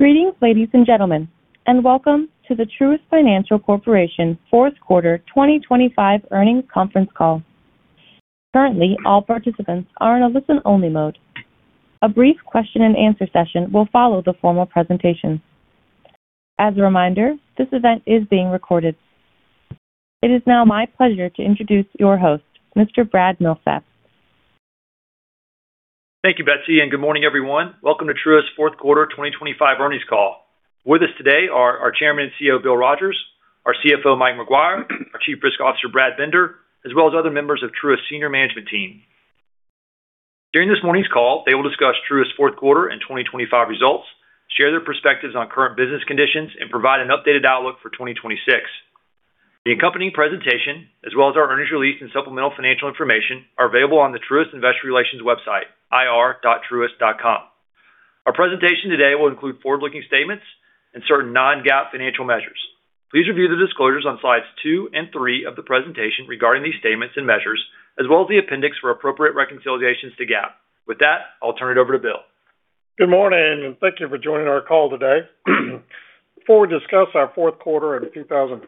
Greetings, ladies and gentlemen, and welcome to the Truist Financial Corporation Fourth Quarter 2025 Earnings Conference Call. Currently, all participants are in a listen-only mode. A brief question-and-answer session will follow the formal presentation. As a reminder, this event is being recorded. It is now my pleasure to introduce your host, Mr. Brad Milsaps. Thank you, Betsy, and good morning, everyone. Welcome to Truist's Fourth Quarter 2025 Earnings Call. With us today are our Chairman and CEO, Bill Rogers, our CFO, Mike Maguire, our Chief Risk Officer, Brad Bender, as well as other members of Truist's Senior Management Team. During this morning's call, they will discuss Truist's Fourth Quarter and 2025 results, share their perspectives on current business conditions, and provide an updated outlook for 2026. The accompanying presentation, as well as our earnings release and supplemental financial information, are available on the Truist Investor Relations website, ir.truist.com. Our presentation today will include forward-looking statements and certain non-GAAP financial measures. Please review the disclosures on slides two and three of the presentation regarding these statements and measures, as well as the appendix for appropriate reconciliations to GAAP. With that, I'll turn it over to Bill. Good morning, and thank you for joining our call today. Before we discuss our Fourth Quarter and 2025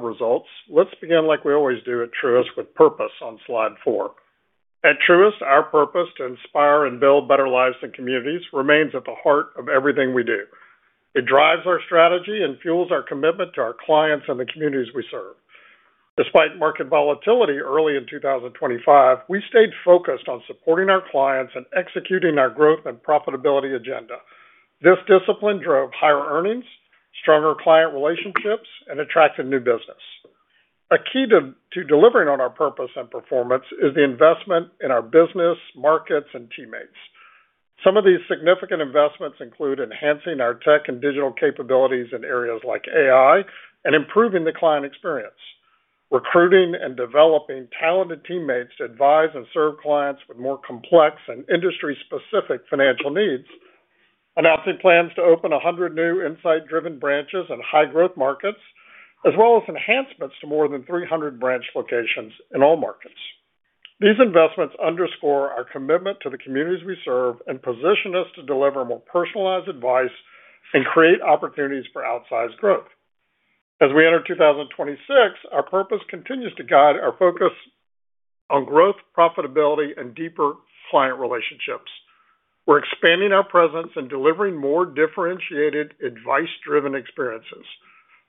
results, let's begin like we always do at Truist with purpose on slide four. At Truist, our purpose to inspire and build better lives and communities remains at the heart of everything we do. It drives our strategy and fuels our commitment to our clients and the communities we serve. Despite market volatility early in 2025, we stayed focused on supporting our clients and executing our growth and profitability agenda. This discipline drove higher earnings, stronger client relationships, and attracted new business. A key to delivering on our purpose and performance is the investment in our business, markets, and teammates. Some of these significant investments include enhancing our tech and digital capabilities in areas like AI and improving the client experience, recruiting and developing talented teammates to advise and serve clients with more complex and industry-specific financial needs, announcing plans to open 100 new insight-driven branches in high-growth markets, as well as enhancements to more than 300 branch locations in all markets. These investments underscore our commitment to the communities we serve and position us to deliver more personalized advice and create opportunities for outsized growth. As we enter 2026, our purpose continues to guide our focus on growth, profitability, and deeper client relationships. We're expanding our presence and delivering more differentiated, advice-driven experiences.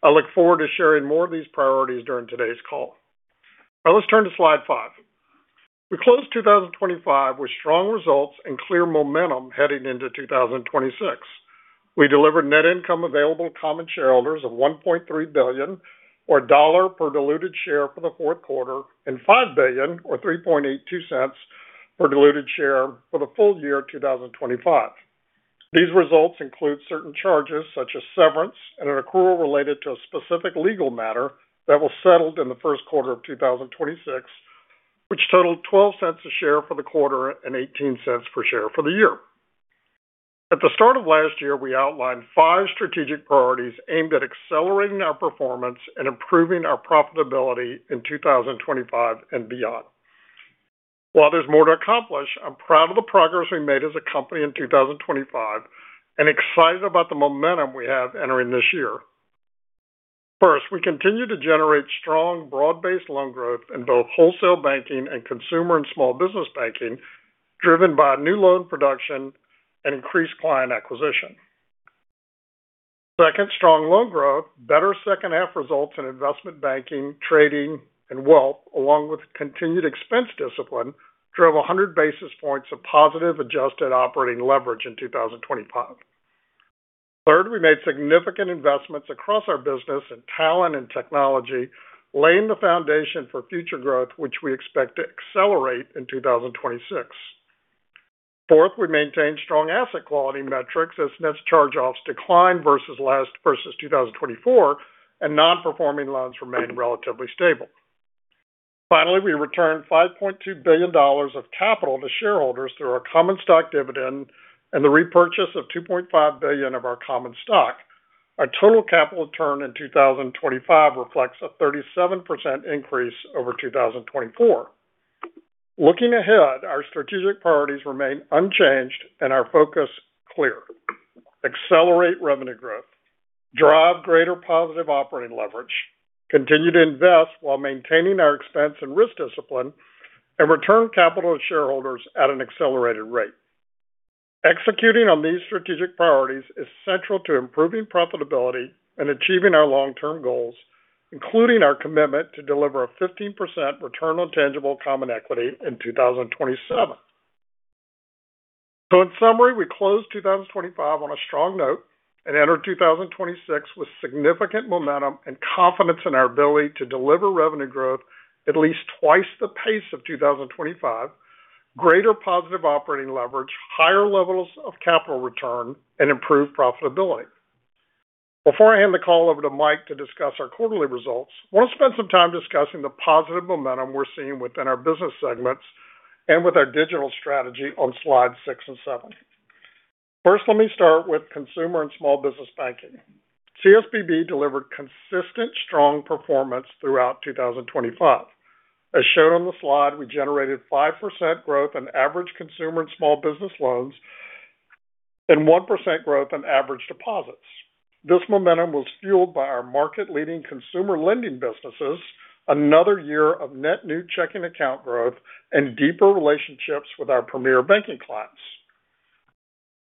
I look forward to sharing more of these priorities during today's call. Now, let's turn to slide five. We closed 2025 with strong results and clear momentum heading into 2026. We delivered net income available to common shareholders of $1.3 billion, or $1 per diluted share for the fourth quarter, and $5 billion, or $0.0382 per diluted share for the full year 2025. These results include certain charges such as severance and an accrual related to a specific legal matter that was settled in the first quarter of 2026, which totaled $0.12 per share for the quarter and $0.18 per share for the year. At the start of last year, we outlined five strategic priorities aimed at accelerating our performance and improving our profitability in 2025 and beyond. While there's more to accomplish, I'm proud of the progress we made as a company in 2025 and excited about the momentum we have entering this year. First, we continue to generate strong, broad-based loan growth in both Wholesale Banking and Consumer and Small Business Banking, driven by new loan production and increased client acquisition. Second, strong loan growth, better second-half results in investment banking, trading, and wealth, along with continued expense discipline, drove 100 basis points of positive adjusted operating leverage in 2025. Third, we made significant investments across our business in talent and technology, laying the foundation for future growth, which we expect to accelerate in 2026. Fourth, we maintained strong asset quality metrics as net charge-offs declined versus 2024, and non-performing loans remained relatively stable. Finally, we returned $5.2 billion of capital to shareholders through our common stock dividend and the repurchase of 2.5 billion of our common stock. Our total capital return in 2025 reflects a 37% increase over 2024. Looking ahead, our strategic priorities remain unchanged and our focus clear: accelerate revenue growth, drive greater positive operating leverage, continue to invest while maintaining our expense and risk discipline, and return capital to shareholders at an accelerated rate. Executing on these strategic priorities is central to improving profitability and achieving our long-term goals, including our commitment to deliver a 15% return on tangible common equity in 2027. In summary, we closed 2025 on a strong note and entered 2026 with significant momentum and confidence in our ability to deliver revenue growth at least twice the pace of 2025, greater positive operating leverage, higher levels of capital return, and improved profitability. Before I hand the call over to Mike to discuss our quarterly results, I want to spend some time discussing the positive momentum we're seeing within our business segments and with our digital strategy on slides six and seven. First, let me start with consumer and small business banking. CSBB delivered consistent, strong performance throughout 2025. As shown on the slide, we generated 5% growth in average consumer and small business loans and 1% growth in average deposits. This momentum was fueled by our market-leading consumer lending businesses, another year of net new checking account growth, and deeper relationships with our Premier Banking clients.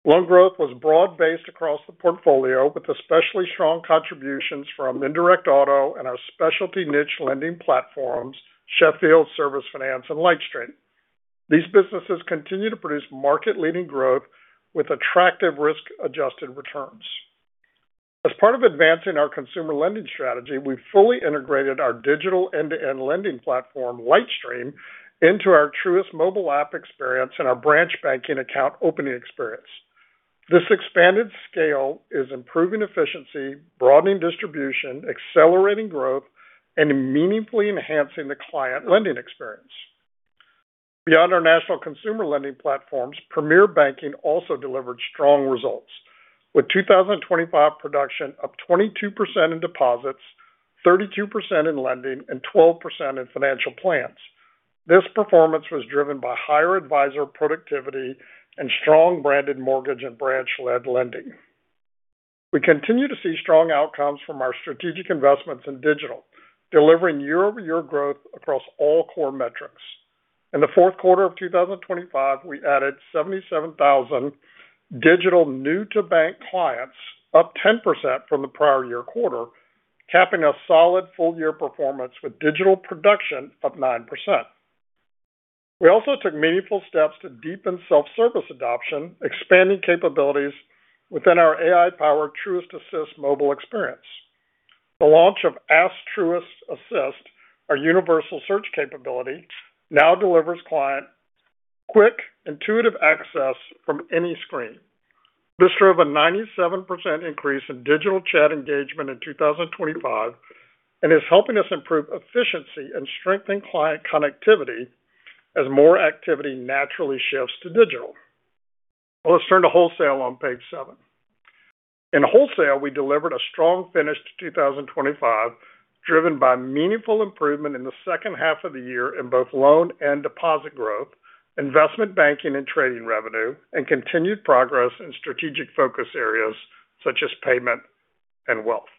Loan growth was broad-based across the portfolio, with especially strong contributions from Indirect Auto and our specialty niche lending platforms, Sheffield, Service Finance, and LightStream. These businesses continue to produce market-leading growth with attractive risk-adjusted returns. As part of advancing our consumer lending strategy, we fully integrated our digital end-to-end lending platform, LightStream, into our Truist mobile app experience and our branch banking account opening experience. This expanded scale is improving efficiency, broadening distribution, accelerating growth, and meaningfully enhancing the client lending experience. Beyond our national consumer lending platforms, Premier Banking also delivered strong results, with 2025 production of 22% in deposits, 32% in lending, and 12% in financial plans. This performance was driven by higher advisor productivity and strong branded mortgage and branch-led lending. We continue to see strong outcomes from our strategic investments in digital, delivering year-over-year growth across all core metrics. In the fourth quarter of 2025, we added 77,000 digital new-to-bank clients, up 10% from the prior year quarter, capping a solid full-year performance with digital production of 9%. We also took meaningful steps to deepen self-service adoption, expanding capabilities within our AI-powered Truist Assist mobile experience. The launch of Ask Truist Assist, our universal search capability, now delivers client quick, intuitive access from any screen. This drove a 97% increase in digital chat engagement in 2025 and is helping us improve efficiency and strengthen client connectivity as more activity naturally shifts to digital. Well, let's turn to wholesale on page seven. In wholesale, we delivered a strong finish to 2025, driven by meaningful improvement in the second half of the year in both loan and deposit growth, investment banking and trading revenue, and continued progress in strategic focus areas such as payment and wealth.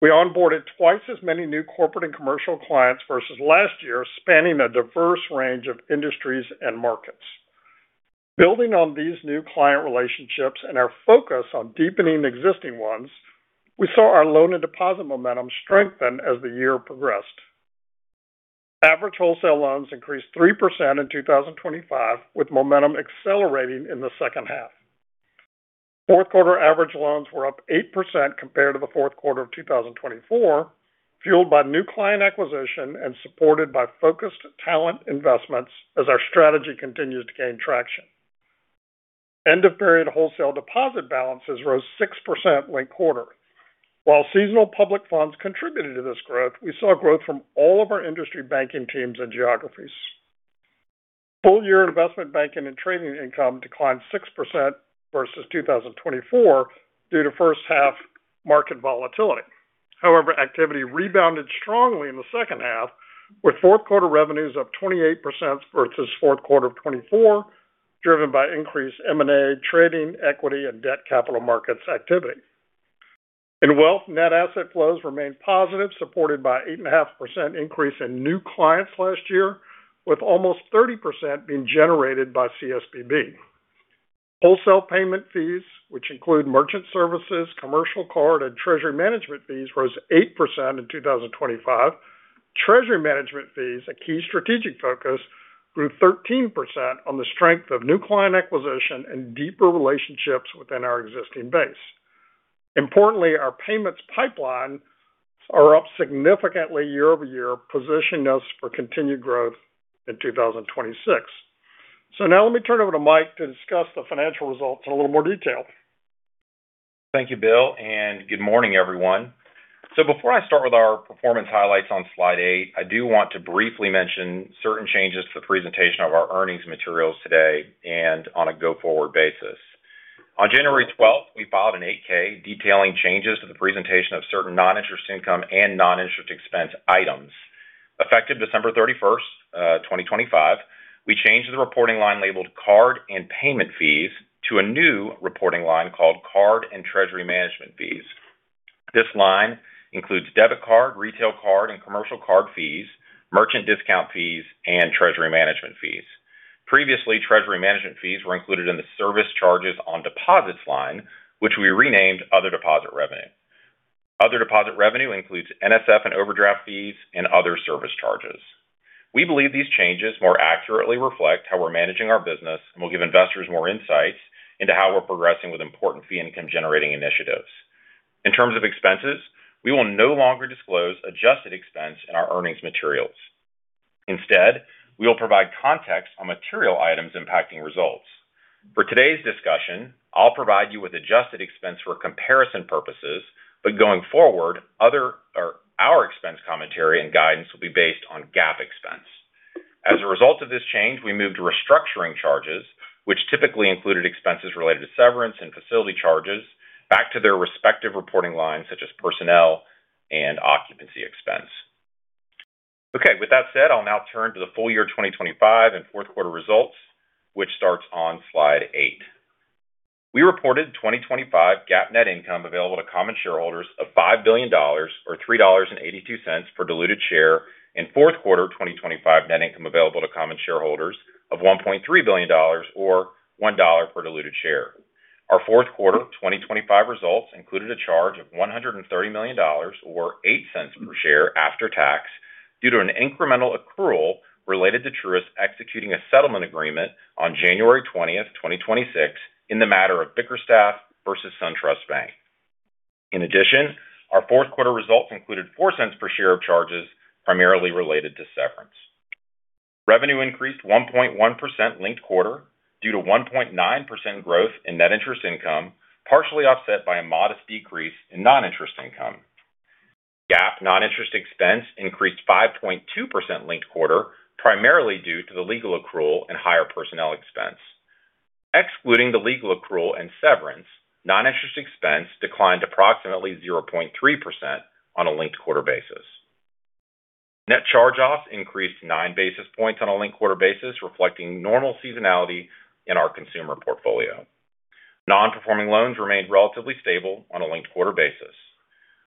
We onboarded twice as many new corporate and commercial clients versus last year, spanning a diverse range of industries and markets. Building on these new client relationships and our focus on deepening existing ones, we saw our loan and deposit momentum strengthen as the year progressed. Average wholesale loans increased 3% in 2025, with momentum accelerating in the second half. Fourth quarter average loans were up 8% compared to the fourth quarter of 2024, fueled by new client acquisition and supported by focused talent investments as our strategy continues to gain traction. End-of-period wholesale deposit balances rose 6% late quarter. While seasonal public funds contributed to this growth, we saw growth from all of our industry banking teams and geographies. Full-year investment banking and trading income declined 6% versus 2024 due to first-half market volatility. However, activity rebounded strongly in the second half, with fourth quarter revenues up 28% versus fourth quarter of 2024, driven by increased M&A, trading, equity, and debt capital markets activity. In wealth, net asset flows remained positive, supported by an 8.5% increase in new clients last year, with almost 30% being generated by CSBB. Wholesale payment fees, which include merchant services, commercial card, and treasury management fees, rose 8% in 2025. Treasury management fees, a key strategic focus, grew 13% on the strength of new client acquisition and deeper relationships within our existing base. Importantly, our payments pipeline is up significantly year-over-year, positioning us for continued growth in 2026. So now let me turn it over to Mike to discuss the financial results in a little more detail. Thank you, Bill, and good morning, everyone. So before I start with our performance highlights on slide eight, I do want to briefly mention certain changes to the presentation of our earnings materials today and on a go-forward basis. On January 12th, we filed an 8-K detailing changes to the presentation of certain non-interest income and non-interest expense items. Effective December 31st, 2025, we changed the reporting line labeled Card and Payment Fees to a new reporting line called Card and Treasury Management Fees. This line includes debit card, retail card, and commercial card fees, merchant discount fees, and treasury management fees. Previously, treasury management fees were included in the Service Charges on Deposits line, which we renamed Other Deposit Revenue. Other deposit revenue includes NSF and overdraft fees and other service charges. We believe these changes more accurately reflect how we're managing our business and will give investors more insights into how we're progressing with important fee income-generating initiatives. In terms of expenses, we will no longer disclose adjusted expense in our earnings materials. Instead, we will provide context on material items impacting results. For today's discussion, I'll provide you with adjusted expense for comparison purposes, but going forward, our expense commentary and guidance will be based on GAAP expense. As a result of this change, we moved restructuring charges, which typically included expenses related to severance and facility charges, back to their respective reporting lines, such as personnel and occupancy expense. Okay, with that said, I'll now turn to the full year 2025 and fourth quarter results, which starts on slide eight. We reported 2025 GAAP net income available to common shareholders of $5 billion, or $3.82 per diluted share. In fourth quarter 2025 net income available to common shareholders of $1.3 billion, or $1 per diluted share. Our fourth quarter 2025 results included a charge of $130 million, or $0.08 per share after tax, due to an incremental accrual related to Truist executing a settlement agreement on January 20th, 2026, in the matter of Bickerstaff versus SunTrust Bank. In addition, our fourth quarter results included $0.04 per share of charges primarily related to severance. Revenue increased 1.1% linked quarter due to 1.9% growth in net interest income, partially offset by a modest decrease in non-interest income. GAAP non-interest expense increased 5.2% linked quarter, primarily due to the legal accrual and higher personnel expense. Excluding the legal accrual and severance, non-interest expense declined approximately 0.3% on a linked quarter basis. Net charge-offs increased 9 basis points on a linked quarter basis, reflecting normal seasonality in our consumer portfolio. Non-performing loans remained relatively stable on a linked quarter basis.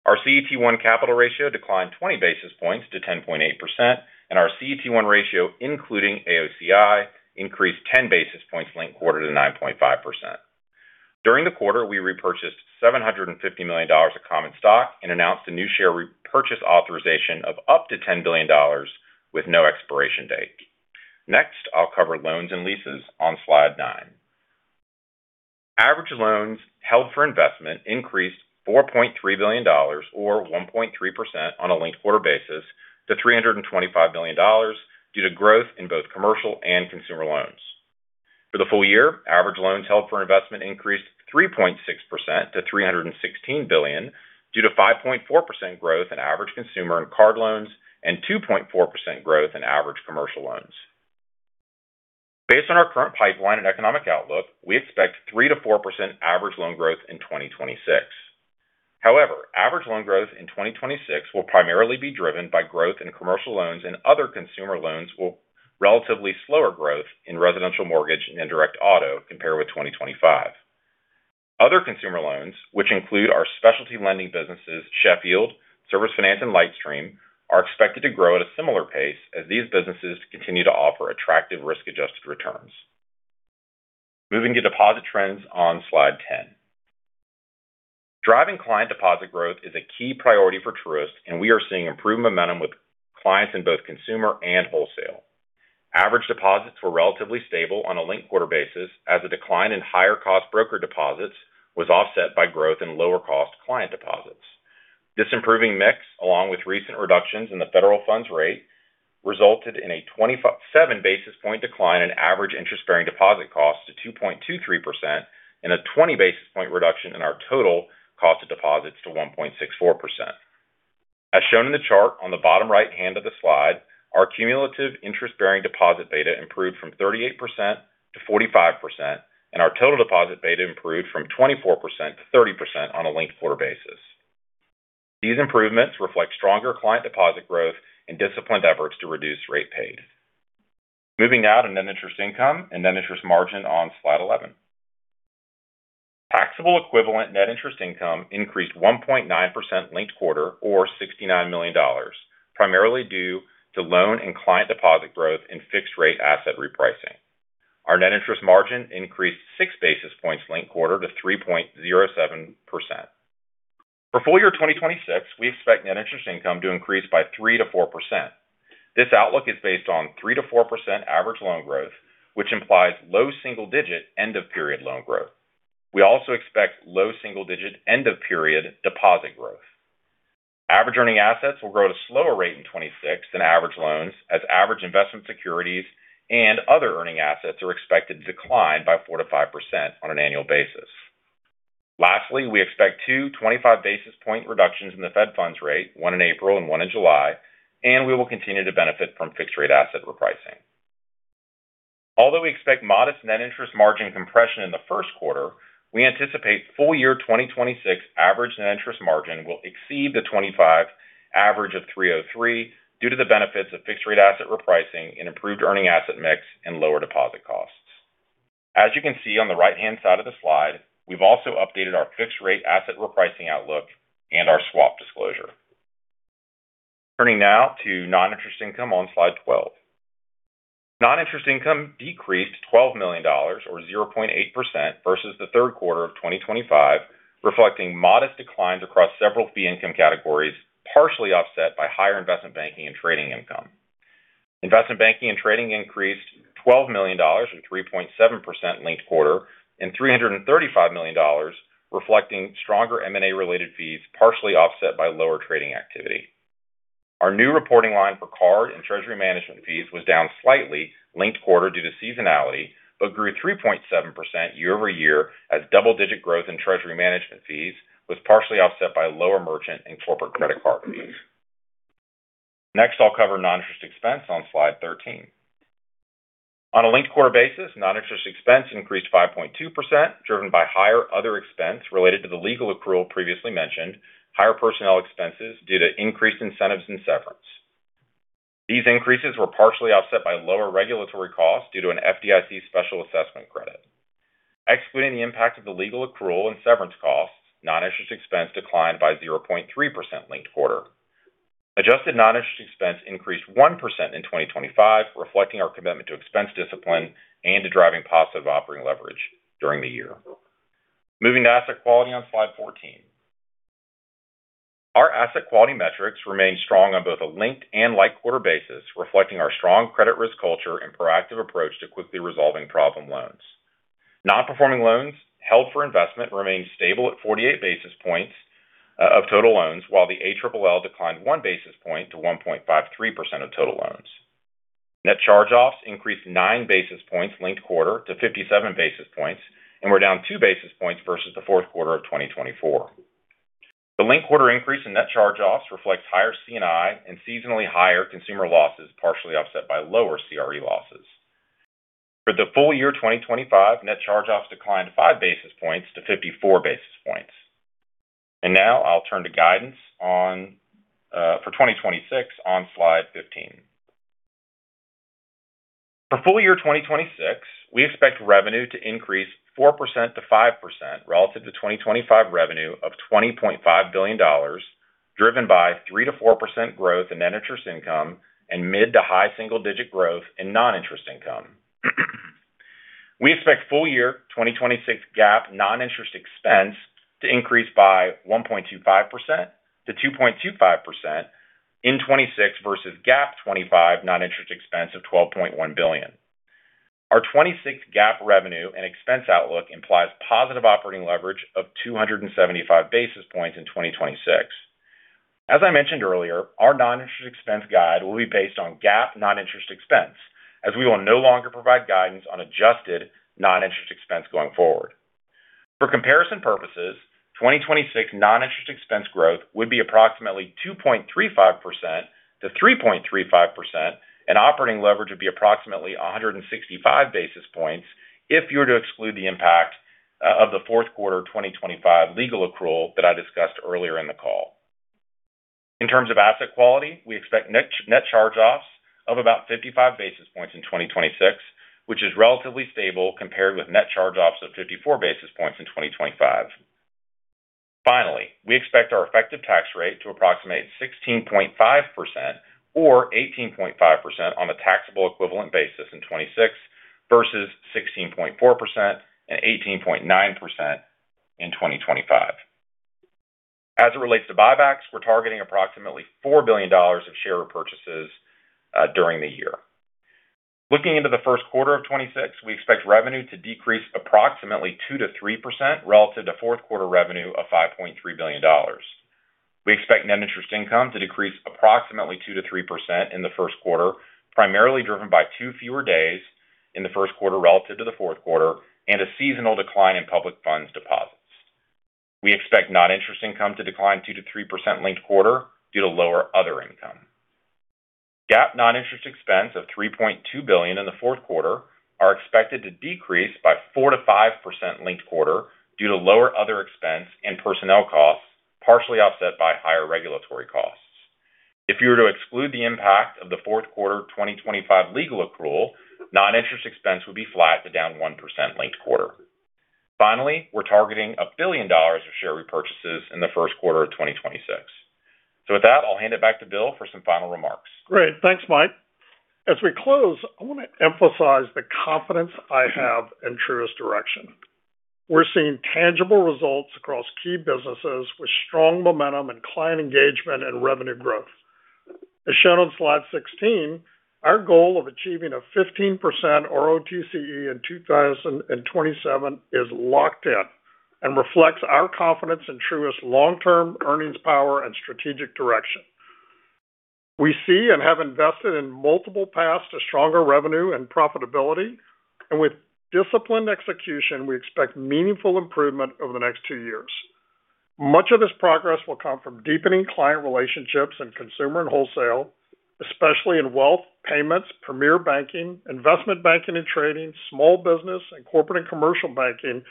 Our CET1 capital ratio declined 20 basis points to 10.8%, and our CET1 ratio, including AOCI, increased 10 basis points linked quarter to 9.5%. During the quarter, we repurchased $750 million of common stock and announced a new share repurchase authorization of up to $10 billion with no expiration date. Next, I'll cover loans and leases on slide nine. Average loans held for investment increased $4.3 billion, or 1.3% on a linked quarter basis, to $325 billion due to growth in both commercial and consumer loans. For the full year, average loans held for investment increased 3.6% to $316 billion due to 5.4% growth in average consumer and card loans and 2.4% growth in average commercial loans. Based on our current pipeline and economic outlook, we expect 3%-4% average loan growth in 2026. However, average loan growth in 2026 will primarily be driven by growth in commercial loans, and other consumer loans will have relatively slower growth in residential mortgage and indirect auto compared with 2025. Other consumer loans, which include our specialty lending businesses, Sheffield, Service Finance, and LightStream, are expected to grow at a similar pace as these businesses continue to offer attractive risk-adjusted returns. Moving to deposit trends on slide 10. Driving client deposit growth is a key priority for Truist, and we are seeing improved momentum with clients in both consumer and wholesale. Average deposits were relatively stable on a linked quarter basis as a decline in higher-cost broker deposits was offset by growth in lower-cost client deposits. This improving mix, along with recent reductions in the federal funds rate, resulted in a 27 basis points decline in average interest-bearing deposit costs to 2.23% and a 20 basis points reduction in our total cost of deposits to 1.64%. As shown in the chart on the bottom right hand of the slide, our cumulative interest-bearing deposit beta improved from 38% to 45%, and our total deposit beta improved from 24% to 30% on a linked quarter basis. These improvements reflect stronger client deposit growth and disciplined efforts to reduce rate paid. Moving out on net interest income and net interest margin on slide 11. Taxable equivalent net interest income increased 1.9% linked quarter, or $69 million, primarily due to loan and client deposit growth in fixed-rate asset repricing. Our net interest margin increased 6 basis points linked quarter to 3.07%. For full year 2026, we expect net interest income to increase by 3%-4%. This outlook is based on 3%-4% average loan growth, which implies low single-digit end-of-period loan growth. We also expect low single-digit end-of-period deposit growth. Average earning assets will grow at a slower rate in 2026 than average loans, as average investment securities and other earning assets are expected to decline by 4%-5% on an annual basis. Lastly, we expect two 25 basis point reductions in the Fed funds rate, one in April and one in July, and we will continue to benefit from fixed-rate asset repricing. Although we expect modest net interest margin compression in the first quarter, we anticipate full year 2026 average net interest margin will exceed the 2025 average of 303 due to the benefits of fixed-rate asset repricing and improved earning asset mix and lower deposit costs. As you can see on the right-hand side of the slide, we've also updated our fixed-rate asset repricing outlook and our swap disclosure. Turning now to non-interest income on slide 12. Non-interest income decreased $12 million, or 0.8%, versus the third quarter of 2025, reflecting modest declines across several fee income categories, partially offset by higher investment banking and trading income. Investment banking and trading increased $12 million, or 3.7%, linked quarter and $335 million, reflecting stronger M&A-related fees, partially offset by lower trading activity. Our new reporting line for card and treasury management fees was down slightly linked quarter due to seasonality, but grew 3.7% year-over-year as double-digit growth in treasury management fees was partially offset by lower merchant and corporate credit card fees. Next, I'll cover non-interest expense on slide 13. On a linked quarter basis, non-interest expense increased 5.2%, driven by higher other expense related to the legal accrual previously mentioned, higher personnel expenses due to increased incentives and severance. These increases were partially offset by lower regulatory costs due to an FDIC special assessment credit. Excluding the impact of the legal accrual and severance costs, non-interest expense declined by 0.3% linked quarter. Adjusted non-interest expense increased 1% in 2025, reflecting our commitment to expense discipline and to driving positive operating leverage during the year. Moving to asset quality on slide 14. Our asset quality metrics remained strong on both a linked and year-over-year quarter basis, reflecting our strong credit risk culture and proactive approach to quickly resolving problem loans. Non-performing loans held for investment remained stable at 48 basis points of total loans, while the ALLL declined 1 basis point to 1.53% of total loans. Net charge-offs increased 9 basis points linked quarter to 57 basis points and were down 2 basis points versus the fourth quarter of 2024. The linked quarter increase in net charge-offs reflects higher C&I and seasonally higher consumer losses, partially offset by lower CRE losses. For the full year 2025, net charge-offs declined 5 basis points to 54 basis points. And now I'll turn to guidance for 2026 on slide 15. For full year 2026, we expect revenue to increase 4% to 5% relative to 2025 revenue of $20.5 billion, driven by 3% to 4% growth in net interest income and mid to high single-digit growth in non-interest income. We expect full year 2026 GAAP non-interest expense to increase by 1.25% to 2.25% in 2026 versus GAAP 2025 non-interest expense of $12.1 billion. Our 2026 GAAP revenue and expense outlook implies positive operating leverage of 275 basis points in 2026. As I mentioned earlier, our non-interest expense guide will be based on GAAP non-interest expense, as we will no longer provide guidance on adjusted non-interest expense going forward. For comparison purposes, 2026 non-interest expense growth would be approximately 2.35%-3.35%, and operating leverage would be approximately 165 basis points if you were to exclude the impact of the fourth quarter 2025 legal accrual that I discussed earlier in the call. In terms of asset quality, we expect net charge-offs of about 55 basis points in 2026, which is relatively stable compared with net charge-offs of 54 basis points in 2025. Finally, we expect our effective tax rate to approximate 16.5% or 18.5% on a taxable equivalent basis in 2026 versus 16.4% and 18.9% in 2025. As it relates to buybacks, we're targeting approximately $4 billion of share repurchases during the year. Looking into the first quarter of 2026, we expect revenue to decrease approximately 2%-3% relative to fourth quarter revenue of $5.3 billion. We expect net interest income to decrease approximately 2%-3% in the first quarter, primarily driven by two fewer days in the first quarter relative to the fourth quarter and a seasonal decline in public funds deposits. We expect non-interest income to decline 2%-3% linked quarter due to lower other income. GAAP non-interest expense of $3.2 billion in the fourth quarter is expected to decrease by 4%-5% linked quarter due to lower other expense and personnel costs, partially offset by higher regulatory costs. If you were to exclude the impact of the fourth quarter 2025 legal accrual, non-interest expense would be flat to down 1% linked quarter. Finally, we're targeting $1 billion of share repurchases in the first quarter of 2026. So with that, I'll hand it back to Bill for some final remarks. Great. Thanks, Mike. As we close, I want to emphasize the confidence I have in Truist Direction. We're seeing tangible results across key businesses with strong momentum and client engagement and revenue growth. As shown on slide 16, our goal of achieving a 15% ROTCE in 2027 is locked in and reflects our confidence in Truist's long-term earnings power and strategic direction. We see and have invested in multiple paths to stronger revenue and profitability, and with disciplined execution, we expect meaningful improvement over the next 2 years. Much of this progress will come from deepening client relationships in consumer and wholesale, especially in wealth, payments, premier banking, investment banking and trading, small business, and corporate and commercial banking,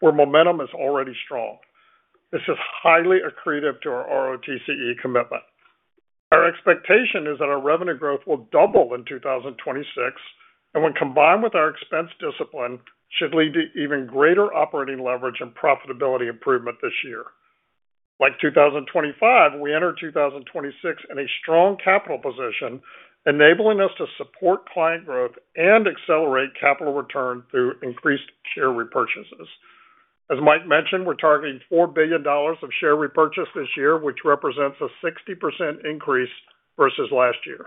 where momentum is already strong. This is highly accretive to our ROTCE commitment. Our expectation is that our revenue growth will double in 2026, and when combined with our expense discipline, should lead to even greater operating leverage and profitability improvement this year. Like 2025, we enter 2026 in a strong capital position, enabling us to support client growth and accelerate capital return through increased share repurchases. As Mike mentioned, we're targeting $4 billion of share repurchase this year, which represents a 60% increase versus last year.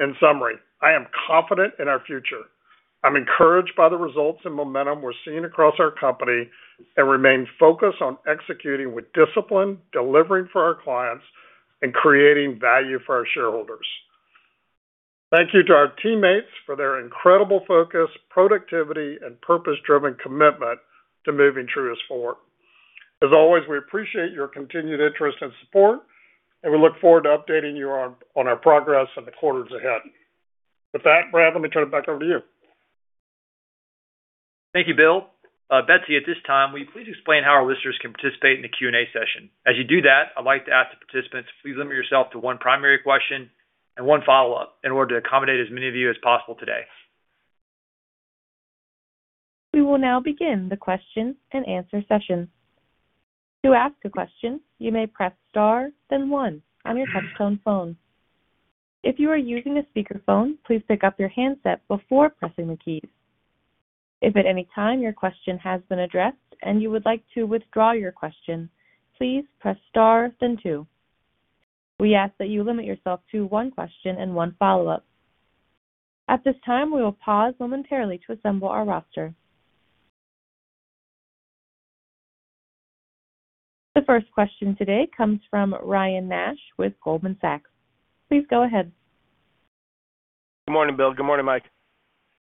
In summary, I am confident in our future. I'm encouraged by the results and momentum we're seeing across our company and remain focused on executing with discipline, delivering for our clients, and creating value for our shareholders. Thank you to our teammates for their incredible focus, productivity, and purpose-driven commitment to moving Truist forward. As always, we appreciate your continued interest and support, and we look forward to updating you on our progress and the quarters ahead. With that, Brad, let me turn it back over to you. Thank you, Bill. Betsy, at this time, will you please explain how our listeners can participate in the Q&A session? As you do that, I'd like to ask the participants to please limit yourself to one primary question and one follow-up in order to accommodate as many of you as possible today. We will now begin the question and answer session. To ask a question, you may press star then 1 on your touch-tone phone. If you are using a speakerphone, please pick up your handset before pressing the keys. If at any time your question has been addressed and you would like to withdraw your question, please press star then 2. We ask that you limit yourself to one question and one follow-up. At this time, we will pause momentarily to assemble our roster. The first question today comes from Ryan Nash with Goldman Sachs. Please go ahead. Good morning, Bill. Good morning, Mike.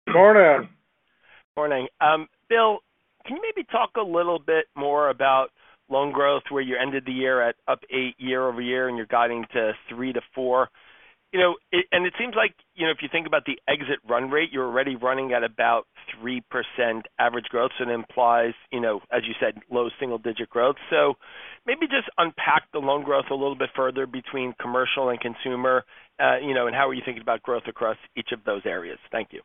Good morning. Good morning. Bill, can you maybe talk a little bit more about loan growth, where you ended the year at up 8% year over year and you're guiding to 3%-4%? And it seems like if you think about the exit run rate, you're already running at about 3% average growth. So that implies, as you said, low single-digit growth. So maybe just unpack the loan growth a little bit further between commercial and consumer, and how are you thinking about growth across each of those areas? Thank you.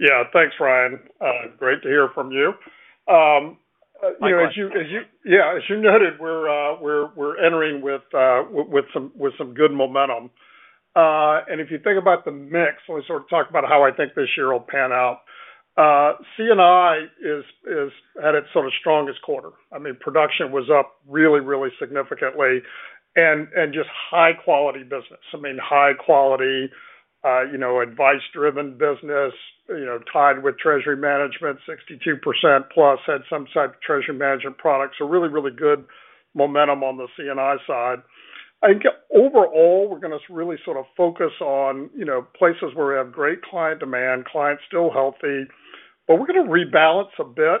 Yeah. Thanks, Ryan. Great to hear from you. As you noted, we're entering with some good momentum, and if you think about the mix, let me sort of talk about how I think this year will pan out. C&I had its strongest quarter. I mean, production was up really, really significantly and just high-quality business. I mean, high-quality, advice-driven business tied with treasury management, 62% plus, had some type of treasury management product. So really, really good momentum on the C&I side. I think overall, we're going to really sort of focus on places where we have great client demand, clients still healthy, but we're going to rebalance a bit,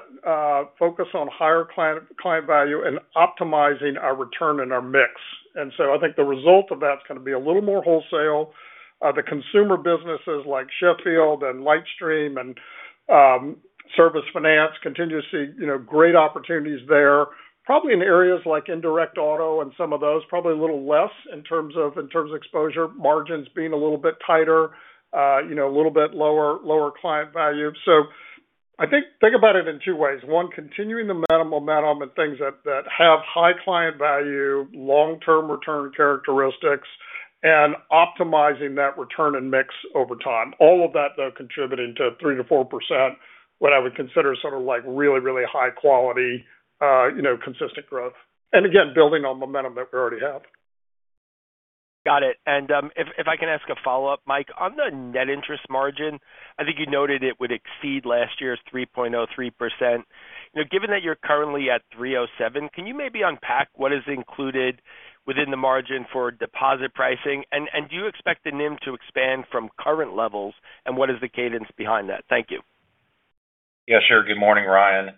focus on higher client value and optimizing our return and our mix. And so I think the result of that's going to be a little more wholesale. The consumer businesses like Sheffield and LightStream and Service Finance continue to see great opportunities there. Probably in areas like indirect auto and some of those, probably a little less in terms of exposure, margins being a little bit tighter, a little bit lower client value. So I think about it in two ways. One, continuing the minimum momentum and things that have high client value, long-term return characteristics, and optimizing that return and mix over time. All of that, though, contributing to 3%-4%, what I would consider sort of like really, really high-quality, consistent growth. And again, building on momentum that we already have. Got it. And if I can ask a follow-up, Mike, on the net interest margin, I think you noted it would exceed last year's 3.03%. Given that you're currently at 3.07%, can you maybe unpack what is included within the margin for deposit pricing? Do you expect the NIM to expand from current levels, and what is the cadence behind that? Thank you. Yes, sure. Good morning, Ryan.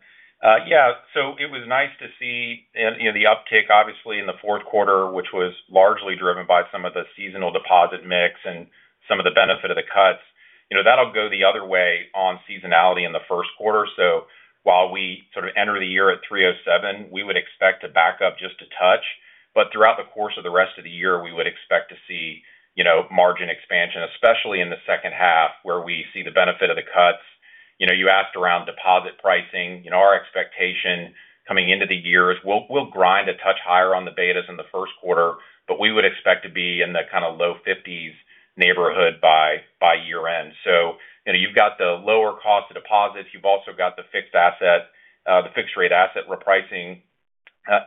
Yeah. So it was nice to see the uptake, obviously, in the fourth quarter, which was largely driven by some of the seasonal deposit mix and some of the benefit of the cuts. That'll go the other way on seasonality in the first quarter. So while we sort of enter the year at 3.07%, we would expect to back up just a touch. But throughout the course of the rest of the year, we would expect to see margin expansion, especially in the second half, where we see the benefit of the cuts. You asked around deposit pricing. Our expectation coming into the year is we'll grind a touch higher on the betas in the first quarter, but we would expect to be in the kind of low 50s neighborhood by year-end. So you've got the lower cost of deposits. You've also got the fixed asset, the fixed-rate asset repricing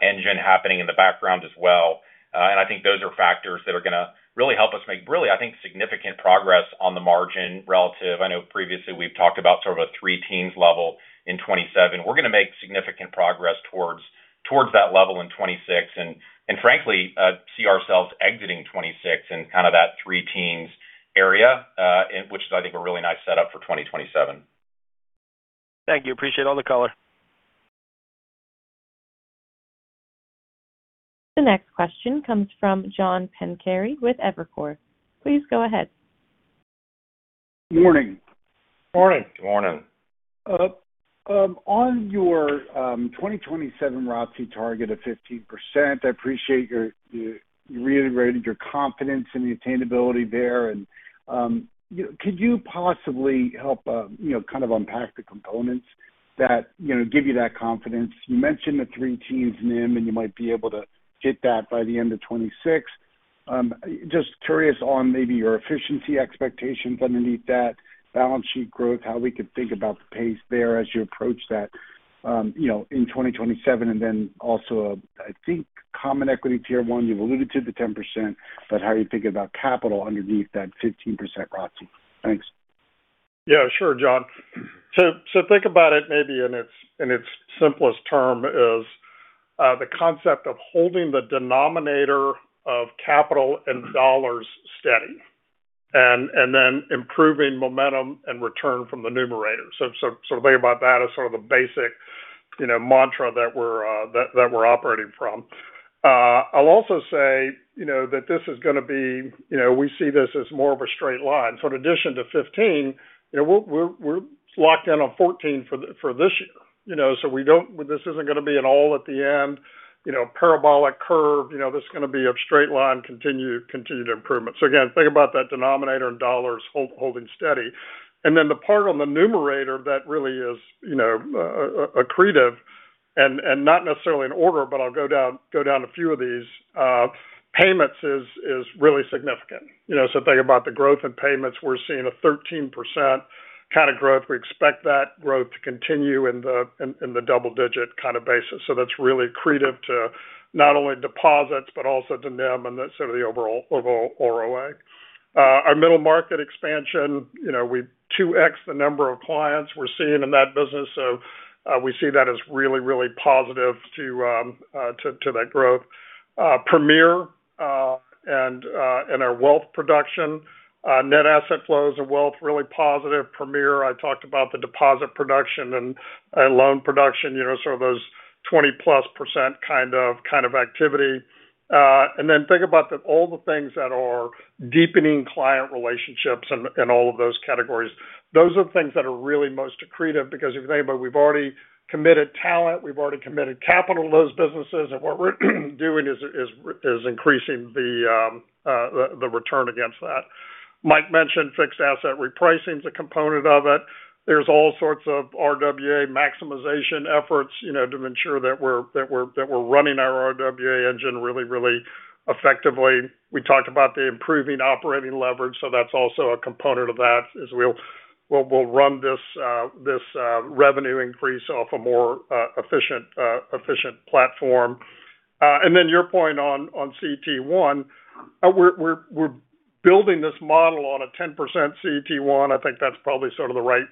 engine happening in the background as well. And I think those are factors that are going to really help us make, really, I think, significant progress on the margin relative. I know previously we've talked about sort of a three-teens level in 2027. We're going to make significant progress towards that level in 2026 and, frankly, see ourselves exiting 2026 in kind of that three-teens area, which I think is a really nice setup for 2027. Thank you. Appreciate all the color. The next question comes from John Pancari with Evercore. Please go ahead. Good morning. Good morning. Good morning. On your 2027 ROTCE target of 15%, I appreciate you reiterated your confidence in the attainability there. Could you possibly help kind of unpack the components that give you that confidence? You mentioned the three-teens NIM, and you might be able to hit that by the end of 2026. Just curious on maybe your efficiency expectations underneath that balance sheet growth, how we could think about the pace there as you approach that in 2027, and then also, I think, common equity tier one. You've alluded to the 10%, but how are you thinking about capital underneath that 15% ROTCE? Thanks. Yeah, sure, John. So think about it maybe in its simplest term as the concept of holding the denominator of capital and dollars steady and then improving momentum and return from the numerator. So sort of think about that as sort of the basic mantra that we're operating from. I'll also say that this is going to be we see this as more of a straight line. So in addition to 15, we're locked in on 14 for this year. So this isn't going to be an all at the end, parabolic curve. This is going to be a straight line, continued improvement. So again, think about that denominator and dollars holding steady. And then the part on the numerator that really is accretive and not necessarily in order, but I'll go down a few of these, payments is really significant. So think about the growth in payments. We're seeing a 13% kind of growth. We expect that growth to continue in the double-digit kind of basis. That's really accretive to not only deposits, but also to NIM and sort of the overall ROA. Our middle market expansion, we've 2x'd the number of clients we're seeing in that business. We see that as really, really positive to that growth. Premier and our wealth production, net asset flows and wealth, really positive. Premier. I talked about the deposit production and loan production, sort of those 20-plus% kind of activity. And then think about all the things that are deepening client relationships in all of those categories. Those are the things that are really most accretive because if you think about it, we've already committed talent. We've already committed capital to those businesses. And what we're doing is increasing the return against that. Mike mentioned fixed asset repricing is a component of it. There's all sorts of RWA maximization efforts to ensure that we're running our RWA engine really, really effectively. We talked about the improving operating leverage. So that's also a component of that is we'll run this revenue increase off a more efficient platform. And then your point on CET1, we're building this model on a 10% CET1. I think that's probably sort of the right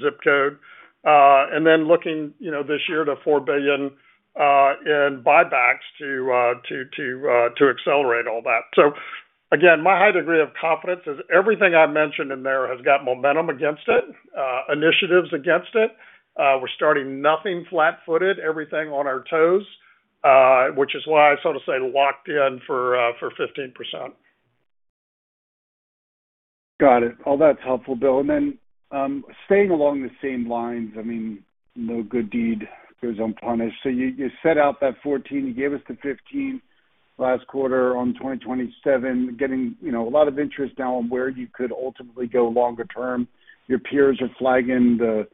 zip code. And then looking this year to $4 billion in buybacks to accelerate all that. So again, my high degree of confidence is everything I mentioned in there has got momentum against it, initiatives against it. We're starting nothing flat-footed, everything on our toes, which is why I sort of say locked in for 15%. Got it. All that's helpful, Bill. And then staying along the same lines, I mean, no good deed goes unpunished. So you set out that 14. You gave us the 15% last quarter on 2027, getting a lot of interest now on where you could ultimately go longer term. Your peers are flagging the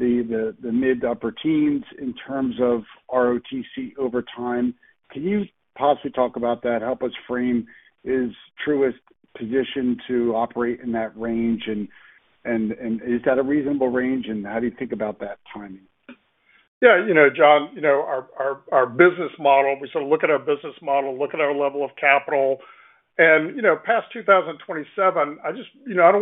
mid- to upper-teens in terms of ROTCE over time. Can you possibly talk about that? Help us frame Truist's position to operate in that range. And is that a reasonable range? And how do you think about that timing? Yeah, John, our business model, we sort of look at our business model, look at our level of capital. And past 2027, I don't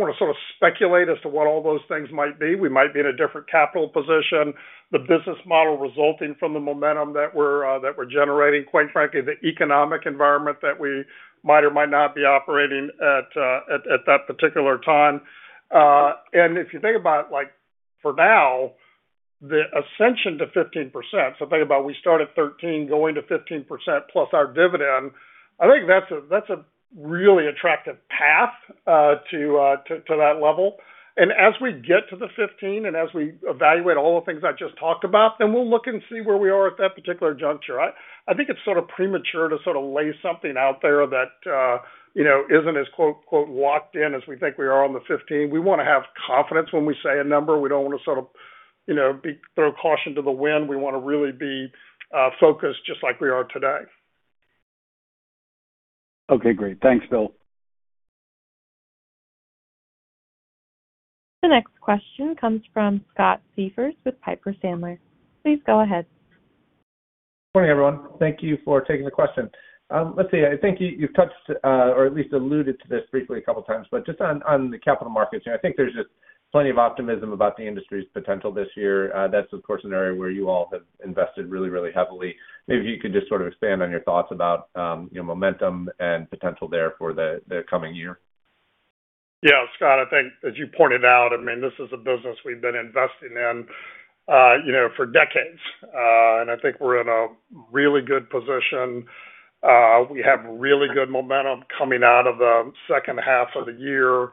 want to sort of speculate as to what all those things might be. We might be in a different capital position, the business model resulting from the momentum that we're generating, quite frankly, the economic environment that we might or might not be operating at that particular time. And if you think about it, for now, the ascension to 15%, so think about we start at 13% going to 15% plus our dividend, I think that's a really attractive path to that level. And as we get to the 15% and as we evaluate all the things I just talked about, then we'll look and see where we are at that particular juncture. I think it's sort of premature to sort of lay something out there that isn't as "locked in" as we think we are on the 15%. We want to have confidence when we say a number. We don't want to sort of throw caution to the wind. We want to really be focused just like we are today. Okay. Great. Thanks, Bill. The next question comes from Scott Siefers with Piper Sandler. Please go ahead. Good morning, everyone. Thank you for taking the question. Let's see. I think you've touched or at least alluded to this briefly a couple of times, but just on the capital markets, I think there's just plenty of optimism about the industry's potential this year. That's, of course, an area where you all have invested really, really heavily. Maybe if you could just sort of expand on your thoughts about momentum and potential there for the coming year. Yeah. Scott, I think, as you pointed out, I mean, this is a business we've been investing in for decades. And I think we're in a really good position. We have really good momentum coming out of the second half of the year,